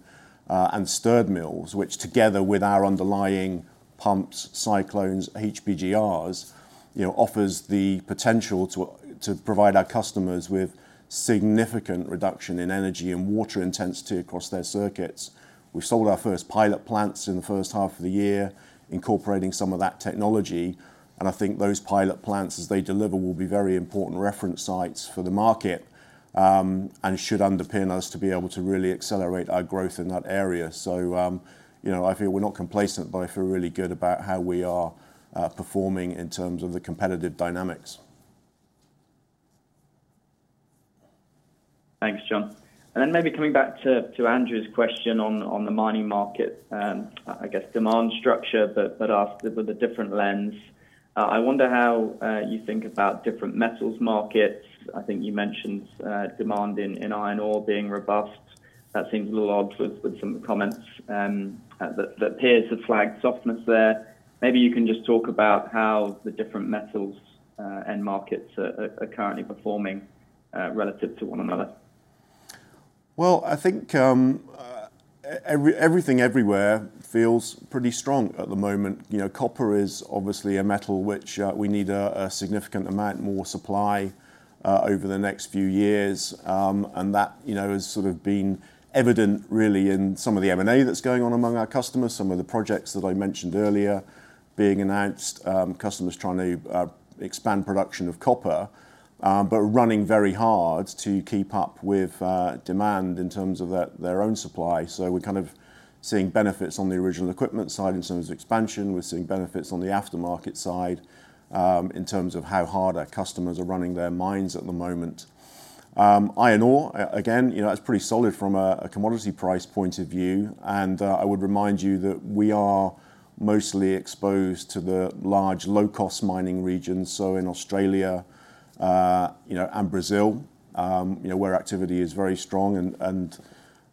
and stirred mills, which together with our underlying pumps, cyclones, HPGRs, you know, offers the potential to provide our customers with significant reduction in energy and water intensity across their circuits. We sold our first pilot plants in the first half of the year, incorporating some of that technology. I think those pilot plants, as they deliver, will be very important reference sites for the market and should underpin us to be able to really accelerate our growth in that area. You know, I feel we're not complacent, but I feel really good about how we are performing in terms of the competitive dynamics. Thanks, Jon. Then maybe coming back to Andrew's question on the mining market, I guess demand structure, but asked with a different lens. I wonder how you think about different metals markets. I think you mentioned demand in iron ore being robust. That seems a little odd with some comments that peers have flagged softness there. Maybe you can just talk about how the different metals and markets are currently performing relative to one another. Well, I think, everything everywhere feels pretty strong at the moment. You know, copper is obviously a metal which, we need a significant amount more supply over the next few years, and that, you know, has sort of been evident really in some of the M&A that's going on among our customers, some of the projects that I mentioned earlier being announced, customers trying to expand production of copper, but running very hard to keep up with demand in terms of their own supply. We're kind of seeing benefits on the original equipment side in terms of expansion. We're seeing benefits on the aftermarket side, in terms of how hard our customers are running their mines at the moment. Iron ore, again, you know, that's pretty solid from a commodity price point of view, and I would remind you that we are mostly exposed to the large, low-cost mining regions, so in Australia, you know, and Brazil, you know, where activity is very strong and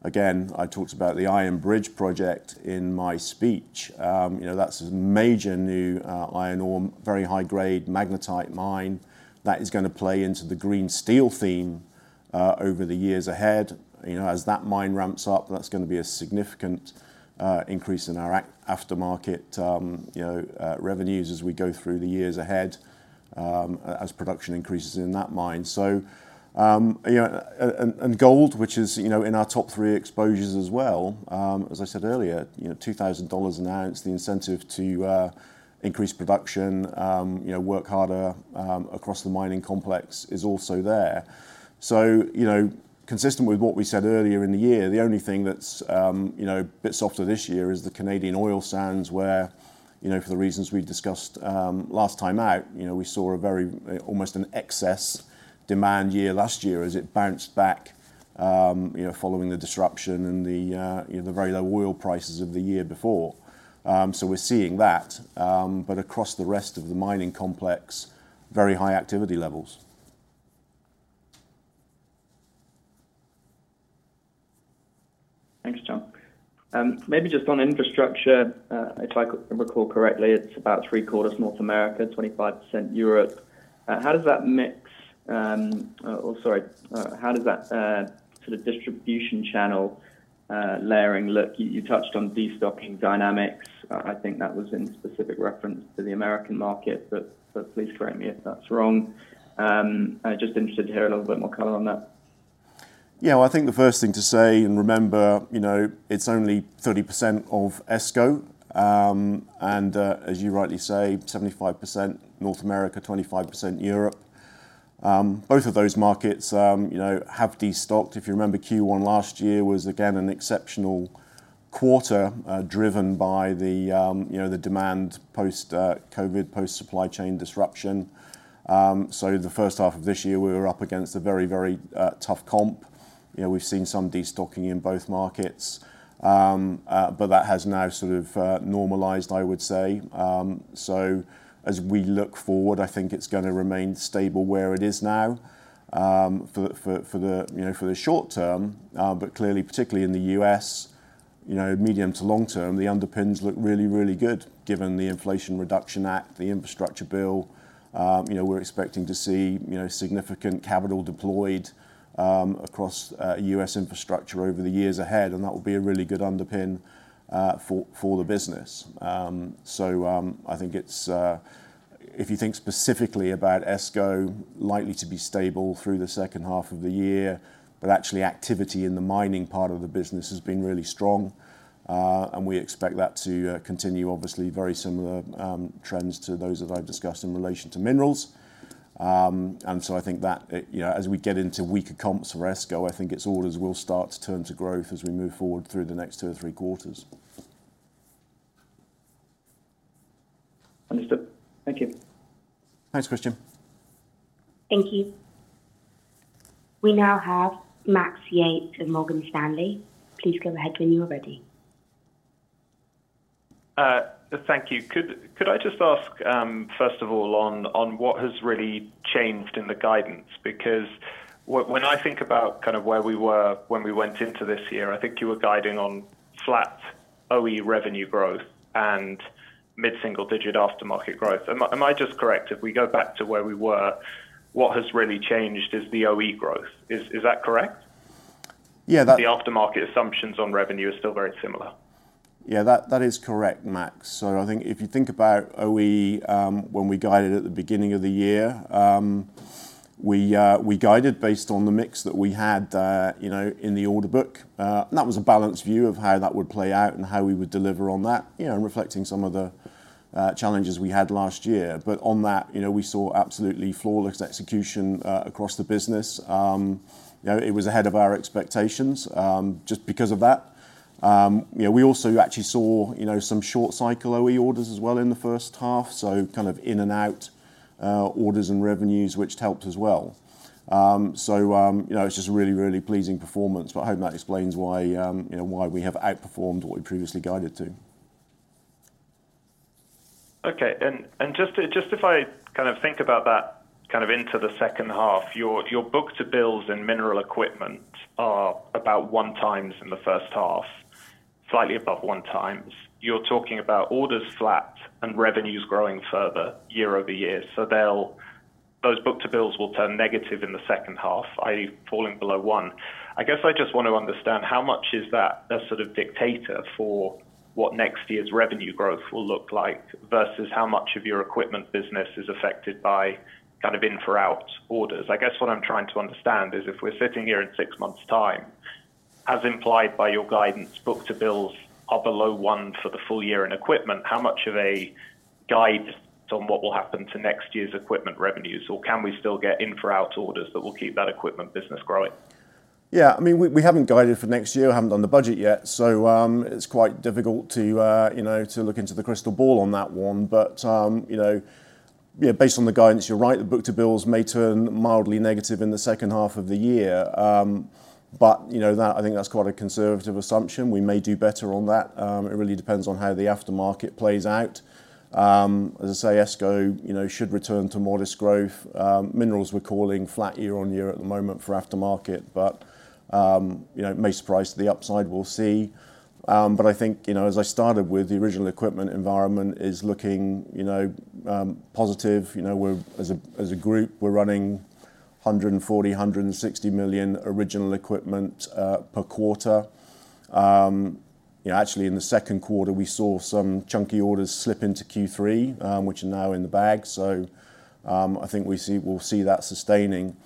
again, I talked about the Iron Bridge project in my speech. You know, that's a major new iron ore, very high-grade magnetite mine that is gonna play into the green steel theme over the years ahead. You know, as that mine ramps up, that's gonna be a significant increase in our aftermarket, you know, revenues as we go through the years ahead, as production increases in that mine. You know, and gold, which is, you know, in our top three exposures as well, as I said earlier, you know, $2,000 an ounce, the incentive to increase production, you know, work harder across the mining complex is also there. You know, consistent with what we said earlier in the year, the only thing that's, you know, a bit softer this year is the Canadian oil sands, where, you know, for the reasons we discussed last time out, you know, we saw a very, almost an excess demand year last year as it bounced back, you know, following the disruption and the, you know, the very low oil prices of the year before. We're seeing that across the rest of the mining complex, very high activity levels. Thanks, Jon. Maybe just on infrastructure, if I could recall correctly, it's about 75% North America, 25% Europe. How does that mix, or sorry, how does that sort of distribution channel layering look? You touched on destocking dynamics. I think that was in specific reference to the American market, but please correct me if that's wrong. I just interested to hear a little bit more color on that. Yeah, well, I think the first thing to say and remember, you know, it's only 30% of ESCO, and as you rightly say, 75% North America, 25% Europe. Both of those markets, you know, have destocked. If you remember, Q1 last year was again an exceptional quarter, driven by the, you know, the demand post-COVID, post-supply chain disruption. The first half of this year, we were up against a very tough comp. You know, we've seen some de-stocking in both markets. That has now sort of normalized, I would say. As we look forward, I think it's gonna remain stable where it is now, for the, you know, for the short term. Clearly, particularly in the U.S., you know, medium to long term, the underpins look really, really good, given the Inflation Reduction Act, the infrastructure bill. You know, we're expecting to see, you know, significant capital deployed across U.S. infrastructure over the years ahead, and that will be a really good underpin for the business. I think it's if you think specifically about ESCO, likely to be stable through the second half of the year. Actually, activity in the mining part of the business has been really strong, and we expect that to continue, obviously, very similar trends to those that I've discussed in relation to minerals. I think that, it, you know, as we get into weaker comps for ESCO, I think its orders will start to turn to growth as we move forward through the next 2 or 3 quarters. Understood. Thank you. Thanks, Christian. Thank you. We now have Max Yates of Morgan Stanley. Please go ahead when you are ready. Thank you. Could I just ask, first of all, on what has really changed in the guidance? Because when I think about kind of where we were when we went into this year, I think you were guiding on flat OE revenue growth and mid-single digit aftermarket growth. Am I just correct? If we go back to where we were, what has really changed is the OE growth. Is that correct? Yeah. The aftermarket assumptions on revenue are still very similar. Yeah, that, that is correct, Max. I think if you think about OE, when we guided at the beginning of the year, we, we guided based on the mix that we had, you know, in the order book. That was a balanced view of how that would play out and how we would deliver on that, you know, and reflecting some of the challenges we had last year. On that, you know, we saw absolutely flawless execution across the business. You know, it was ahead of our expectations, just because of that. You know, we also actually saw, you know, some short cycle OE orders as well in the first half, so kind of in and out, orders and revenues, which helped as well. You know, it's just a really, really pleasing performance, but I hope that explains why, you know, why we have outperformed what we previously guided to. Okay. Just if I kind of think about that, kind of into the second half, your, your book to bills and mineral equipment are about 1x in the first half, slightly above 1x. You're talking about orders flat and revenues growing further year-over-year. Those book to bills will turn negative in the second half, i.e., falling below 1. I guess I just want to understand how much is that a sort of dictator for what next year's revenue growth will look like, versus how much of your equipment business is affected by kind of in for out orders? I guess what I'm trying to understand is if we're sitting here in six months' time, as implied by your guidance, book to bills are below 1 for the full year in equipment, how much of a guide on what will happen to next year's equipment revenues, or can we still get in for out orders that will keep that equipment business growing? Yeah, I mean, we, we haven't guided for next year. We haven't done the budget yet, it's quite difficult to, you know, to look into the crystal ball on that one. You know, yeah, based on the guidance, you're right, the book to bills may turn mildly negative in the second half of the year. You know, I think that's quite a conservative assumption. We may do better on that. It really depends on how the aftermarket plays out. As I say, ESCO, you know, should return to modest growth. Minerals, we're calling flat year-on-year at the moment for aftermarket, you know, it may surprise to the upside, we'll see. I think, you know, as I started with, the original equipment environment is looking, you know, positive. You know, we're as a group, we're running 140 million-160 million original equipment per quarter. You know, actually, in the second quarter, we saw some chunky orders slip into Q3, which are now in the bag. I think we'll see that sustaining.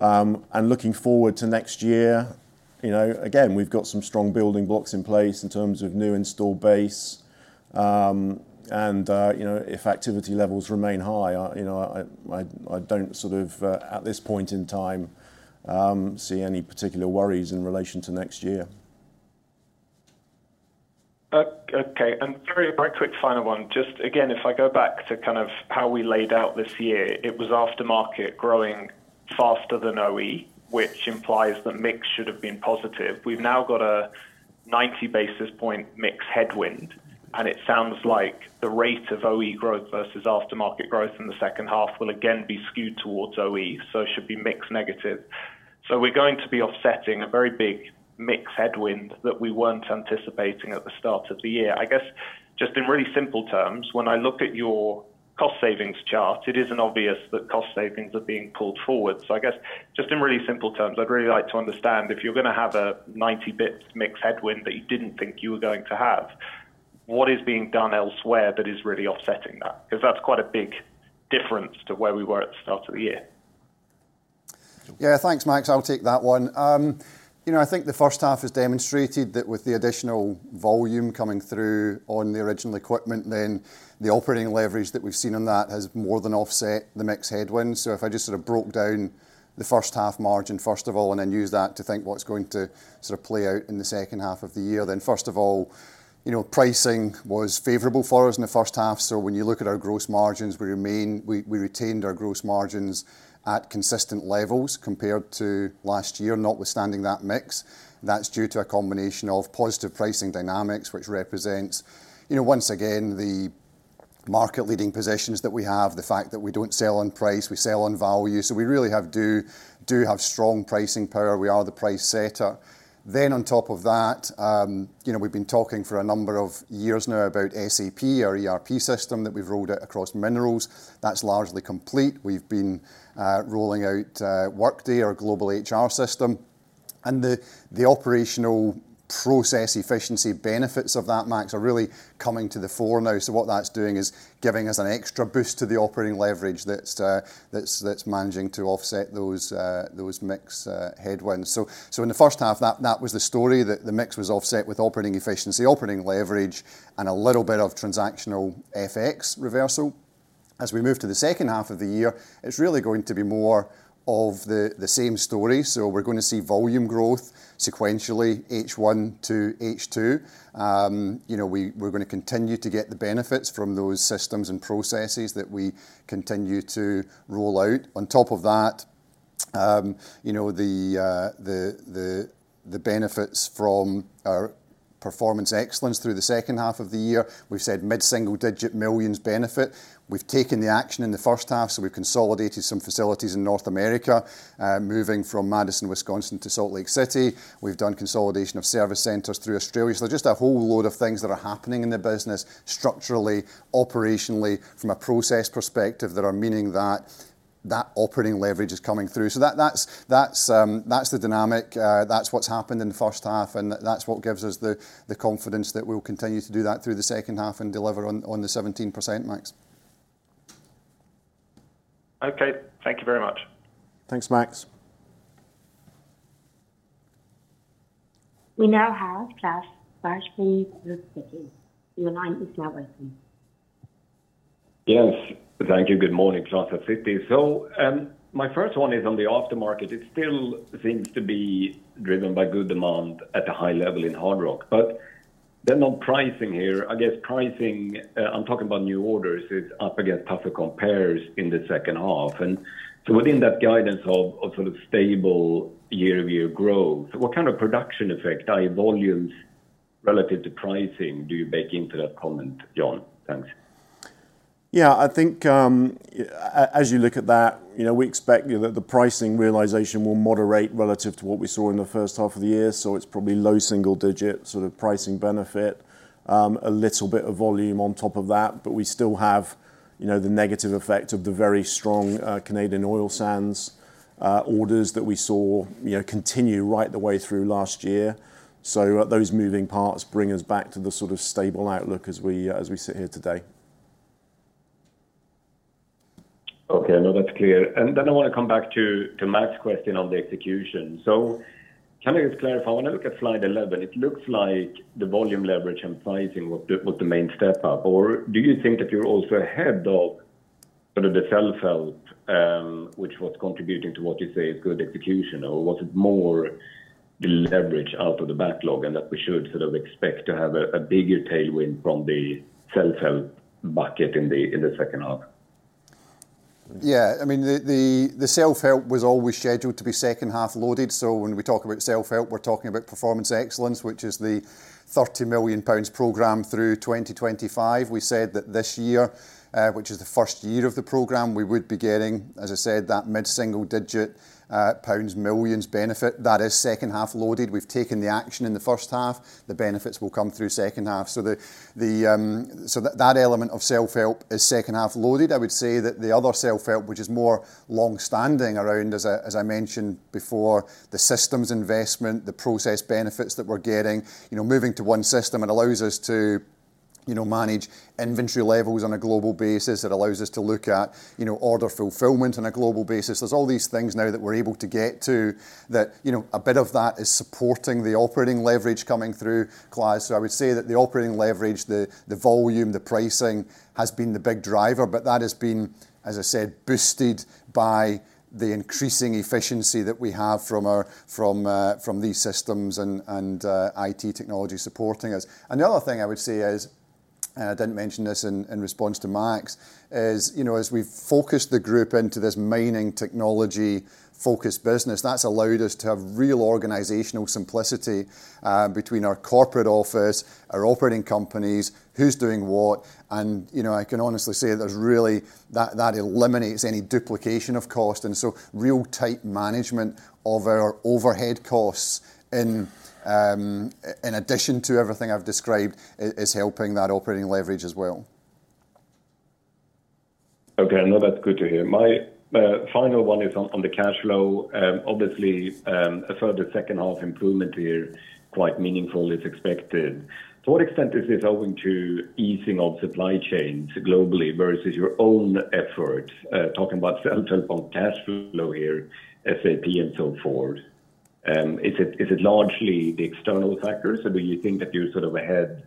And looking forward to next year, you know, again, we've got some strong building blocks in place in terms of new installed base. And, you know, if activity levels remain high, I, you know, I don't sort of, at this point in time, see any particular worries in relation to next year. Okay, okay. Very quick final one. Just again, if I go back to kind of how we laid out this year, it was aftermarket growing faster than OE, which implies that mix should have been positive. We've now got a 90 basis point mix headwind, and it sounds like the rate of OE growth versus aftermarket growth in the second half will again be skewed towards OE, so it should be mix negative. We're going to be offsetting a very big mix headwind that we weren't anticipating at the start of the year. I guess, just in really simple terms, when I look at your cost savings chart, it isn't obvious that cost savings are being pulled forward. I guess, just in really simple terms, I'd really like to understand, if you're gonna have a 90 basis points mix headwind that you didn't think you were going to have, what is being done elsewhere that is really offsetting that? Because that's quite a big difference to where we were at the start of the year. Yeah, thanks, Max. I'll take that one. You know, I think the first half has demonstrated that with the additional volume coming through on the original equipment, then the operating leverage that we've seen on that has more than offset the mix headwind. If I just sort of broke down the first half margin, first of all, and then use that to think what's going to sort of play out in the second half of the year. First of all, you know, pricing was favorable for us in the first half. When you look at our gross margins, we retained our gross margins at consistent levels compared to last year, notwithstanding that mix. That's due to a combination of positive pricing dynamics, which represents, you know, once again, market leading positions that we have, the fact that we don't sell on price, we sell on value. We really do have strong pricing power. We are the price setter. On top of that, you know, we've been talking for a number of years now about SAP, our ERP system, that we've rolled out across Minerals. That's largely complete. We've been rolling out Workday, our global HR system, and the operational process efficiency benefits of that, Max, are really coming to the fore now. What that's doing is giving us an extra boost to the operating leverage that's managing to offset those mix headwinds. In the first half, that was the story, that the mix was offset with operating efficiency, operating leverage, and a little bit of transactional FX reversal. As we move to the second half of the year, it's really going to be more of the same story. We're gonna see volume growth sequentially, H1 to H2. You know, we're gonna continue to get the benefits from those systems and processes that we continue to roll out. On top of that, you know, the benefits from our performance excellence through the second half of the year, we've said mid-single digit millions benefit. We've taken the action in the first half, so we've consolidated some facilities in North America, moving from Madison, Wisconsin to Salt Lake City. We've done consolidation of service centers through Australia. There's just a whole load of things that are happening in the business structurally, operationally, from a process perspective, that are meaning that that operating leverage is coming through. That, that's, that's, that's the dynamic. That's what's happened in the first half, and that's what gives us the, the confidence that we'll continue to do that through the second half and deliver on, on the 17%, Max. Okay. Thank you very much. Thanks, Max. We now have Klas Bergelind, Citi. Your line is now open. Yes. Thank you. Good morning, Klas at Citi. My first one is on the after-market. It still seems to be driven by good demand at a high level in hard rock. On pricing here, I guess pricing, I'm talking about new orders, is up against tougher compares in the second half. Within that guidance of, of sort of stable year-over-year growth, what kind of production effect are your volumes relative to pricing do you bake into that comment, Jon? Thanks. Yeah, I think, as you look at that, you know, we expect, you know, that the pricing realization will moderate relative to what we saw in the first half of the year, so it's probably low single digit sort of pricing benefit, a little bit of volume on top of that. We still have, you know, the negative effect of the very strong Canadian oil sands orders that we saw, you know, continue right the way through last year. Those moving parts bring us back to the sort of stable outlook as we sit here today. Okay. No, that's clear. Then I wanna come back to, to Max's question on the execution. Can I just clarify, when I look at slide 11, it looks like the volume leverage and pricing was the, was the main step up, or do you think that you're also ahead of sort of the self-help, which was contributing to what you say is good execution? Was it more the leverage out of the backlog, and that we should sort of expect to have a, a bigger tailwind from the self-help bucket in the, in the second half? Yeah, I mean, the, the, the self-help was always scheduled to be second half loaded. When we talk about self-help, we're talking about performance excellence, which is the 30 million pounds program through 2025. We said that this year, which is the first year of the program, we would be getting, as I said, that mid-single digit pounds millions benefit. That is second half loaded. We've taken the action in the first half. The benefits will come through second half. The, the, that, that element of self-help is second half loaded. I would say that the other self-help, which is more long-standing around, as I, as I mentioned before, the systems investment, the process benefits that we're getting. You know, moving to one system, it allows us to, you know, manage inventory levels on a global basis. It allows us to look at, you know, order fulfillment on a global basis. There's all these things now that we're able to get to that, you know, a bit of that is supporting the operating leverage coming through, Klas. I would say that the operating leverage, the, the volume, the pricing, has been the big driver, but that has been, as I said, boosted by the increasing efficiency that we have from our- from these systems and IT technology supporting us. The other thing I would say is, and I didn't mention this in, in response to Max, is, you know, as we've focused the group into this mining technology-focused business, that's allowed us to have real organizational simplicity, between our corporate office, our operating companies, who's doing what, and, you know, I can honestly say there's really... That eliminates any duplication of cost, and so real tight management of our overhead costs in addition to everything I've described, is helping that operating leverage as well. Okay, no, that's good to hear. My final one is on, on the cash flow. Obviously, a further second half improvement here, quite meaningful, is expected. To what extent is this owing to easing of supply chains globally versus your own effort? Talking about self-help on cash flow here, SAP, and so forth. Is it, is it largely the external factors, or do you think that you're sort of ahead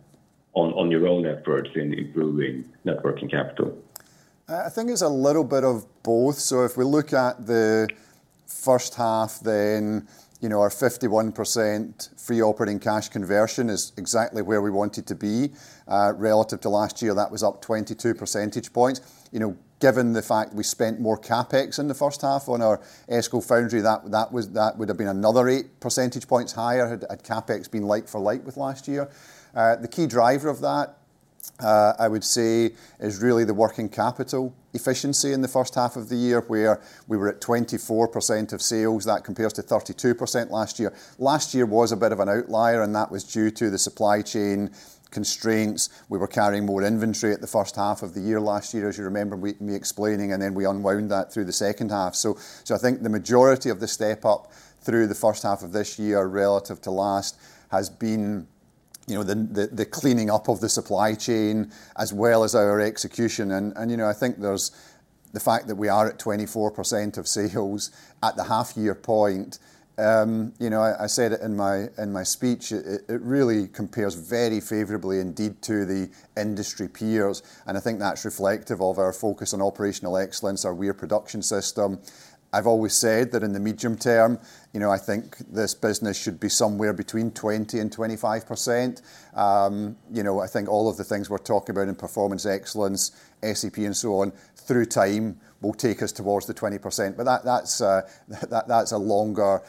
on, on your own efforts in improving net working capital? I think it's a little bit of both. If we look at the first half, then, you know, our 51% free operating cash conversion is exactly where we want it to be. Relative to last year, that was up 22 percentage points. You know, given the fact we spent more CapEx in the first half on our ESCO foundry, that would have been another 8 percentage points higher, had CapEx been like for like with last year. The key driver of that, I would say is really the working capital efficiency in the first half of the year, where we were at 24% of sales. That compares to 32% last year. Last year was a bit of an outlier, and that was due to the supply chain constraints. We were carrying more inventory at the first half of the year last year, as you remember me explaining, and then we unwound that through the second half. I think the majority of the step-up through the first half of this year relative to last has been, you know, the, the, the cleaning up of the supply chain as well as our execution. You know, I think there's the fact that we are at 24% of sales at the half-year point, you know, I said it in my speech, it, it really compares very favorably indeed to the industry peers, and I think that's reflective of our focus on operational excellence, our Weir Production System. I've always said that in the medium term, you know, I think this business should be somewhere between 20% and 25%. You know, I think all of the things we're talking about in performance excellence, SEP, and so on, through time, will take us towards the 20%. That's, that's a longer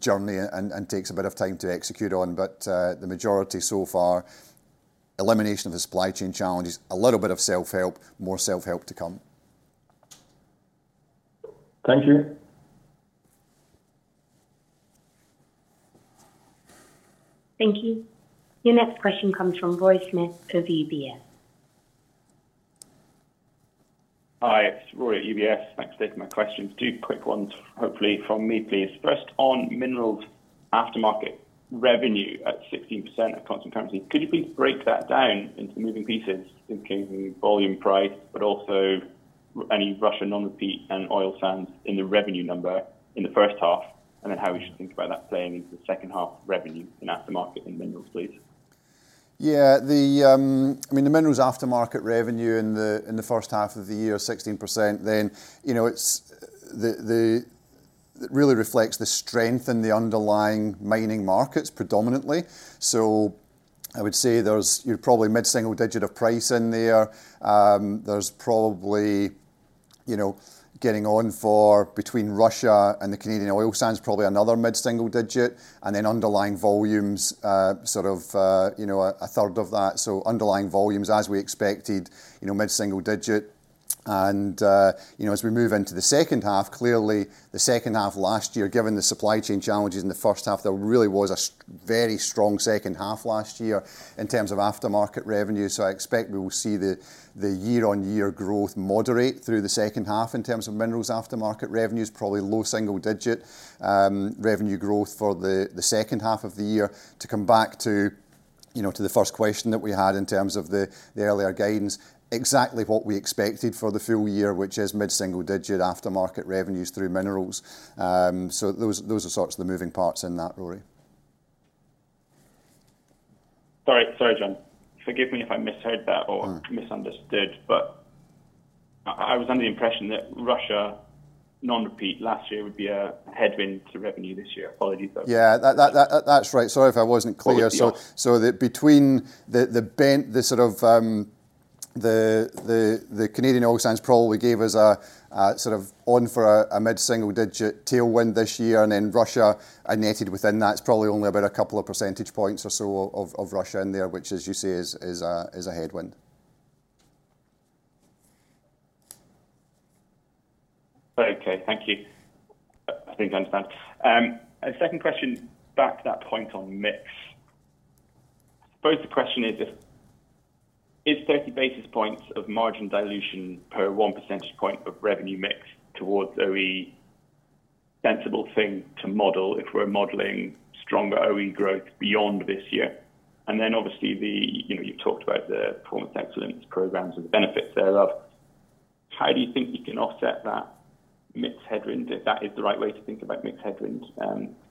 journey and takes a bit of time to execute on. The majority so far, elimination of the supply chain challenge is a little bit of self-help, more self-help to come. Thank you. Thank you. Your next question comes from Rory Smith of UBS. Hi, it's Rory at UBS. Thanks for taking my questions. Two quick ones, hopefully, from me, please. First, on Minerals aftermarket revenue at 16% at constant currency, could you please break that down into moving pieces, in case of volume, price, but also any Russia non-repeat and oil sands in the revenue number in the first half, and then how we should think about that playing into the second half revenue in aftermarket and Minerals, please? Yeah, I mean, the minerals aftermarket revenue in the first half of the year, 16%, you know, it really reflects the strength in the underlying mining markets, predominantly. I would say there's, you're probably mid-single digit of price in there. There's probably, you know, getting on for between Russia and the Canadian oil sands, probably another mid-single digit, and then underlying volumes, sort of, you know, a third of that. Underlying volumes, as we expected, you know, mid-single digit. You know, as we move into the second half, clearly, the second half last year, given the supply chain challenges in the first half, there really was a very strong second half last year in terms of aftermarket revenue. I expect we will see the year-on-year growth moderate through the second half in terms of minerals aftermarket revenues, probably low single digit revenue growth for the second half of the year. To come back to, you know, to the first question that we had in terms of the earlier guidance, exactly what we expected for the full year, which is mid-single digit aftermarket revenues through minerals. Those, are sorts of the moving parts in that, Rory. Sorry, sorry, John. Forgive me if I misheard that. Mm. misunderstood, but I, I was under the impression that Russia non-repeat last year would be a headwind to revenue this year. Apologies, though. Yeah, that's right. Sorry if I wasn't clear. Yeah. Between the bent, the sort of, the Canadian oil sands probably gave us a sort of on for a mid-single digit tailwind this year, then Russia are netted within that. It's probably only about a couple of percentage points or so of Russia in there, which, as you say, is a headwind. Okay, thank you. I think I understand. Second question, back to that point on mix. I suppose the question is if, is 30 basis points of margin dilution per 1 percentage point of revenue mix towards OE sensible thing to model if we're modeling stronger OE growth beyond this year? Then obviously, the, you know, you've talked about the performance excellence programs and the benefits thereof. How do you think you can offset that mix headwind, if that is the right way to think about mix headwind,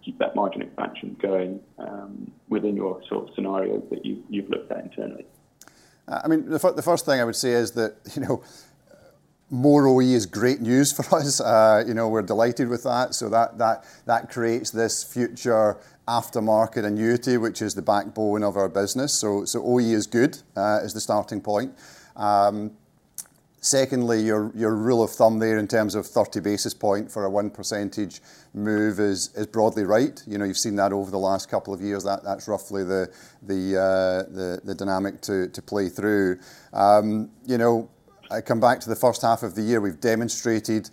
keep that margin expansion going, within your sort of scenarios that you've looked at internally? I mean, the first thing I would say is that, you know, more OE is great news for us. You know, we're delighted with that. That, that creates this future aftermarket annuity, which is the backbone of our business. OE is good, is the starting point. Secondly, your rule of thumb there in terms of 30 basis points for a 1 percentage move is broadly right. You know, you've seen that over the last couple of years. That, roughly the dynamic to play through. You know, I come back to the first half of the year. We've demonstrated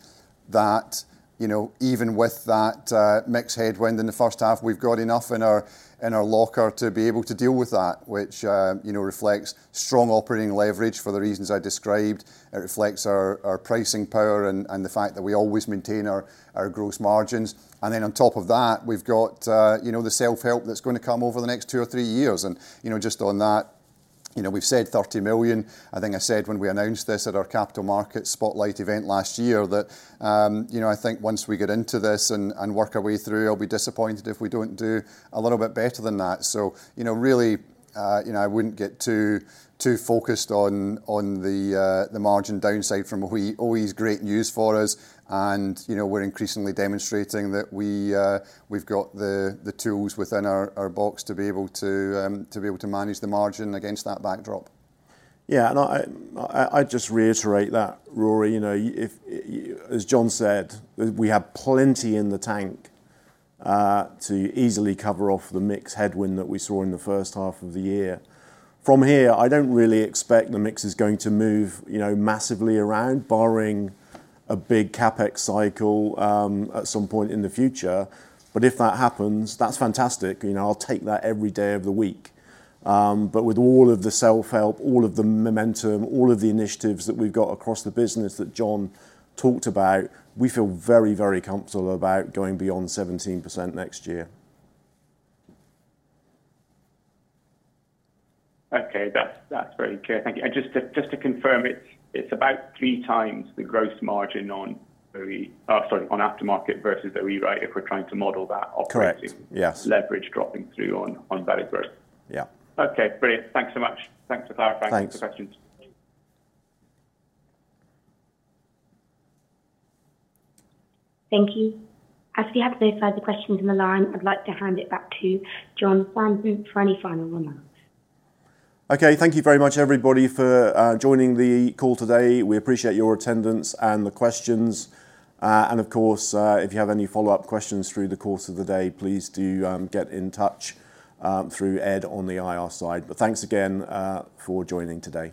that, you know, even with that mix headwind in the first half, we've got enough in our, in our locker to be able to deal with that, which, you know, reflects strong operating leverage for the reasons I described. It reflects our pricing power and, and the fact that we always maintain our, our gross margins. Then on top of that, we've got, you know, the self-help that's gonna come over the next two or three years. You know, just on that, you know, we've said 30 million. I think I said when we announced this at our capital market spotlight event last year, that, you know, I think once we get into this and, and work our way through, I'll be disappointed if we don't do a little bit better than that. You know, really, you know, I wouldn't get too, too focused on, on the, the margin downside from OE. OE is great news for us, and, you know, we're increasingly demonstrating that we've got the, the tools within our box to be able to manage the margin against that backdrop. I just reiterate that, Rory. You know, if as John said, we have plenty in the tank to easily cover off the mix headwind that we saw in the 1st half of the year. From here, I don't really expect the mix is going to move, you know, massively around, barring a big CapEx cycle at some point in the future. If that happens, that's fantastic. You know, I'll take that every day of the week. With all of the self-help, all of the momentum, all of the initiatives that we've got across the business that John talked about, we feel very, comfortable about going beyond 17% next year. Okay. That's, very clear. Thank you. Just to, just to confirm, it's, it's about 3x the gross margin on OE, sorry, on aftermarket versus the OE, right? If we're trying to model that. Correct. Yes. leverage dropping through on value growth. Yeah. Okay, brilliant. Thanks so much. Thanks for clarifying. Thanks. the questions. Thank you. As we have no further questions on the line, I'd like to hand it back to Jon Stanton for any final remarks. Okay, thank you very much, everybody, for joining the call today. We appreciate your attendance and the questions. Of course, if you have any follow-up questions through the course of the day, please do get in touch through Ed on the IR side. Thanks again for joining today.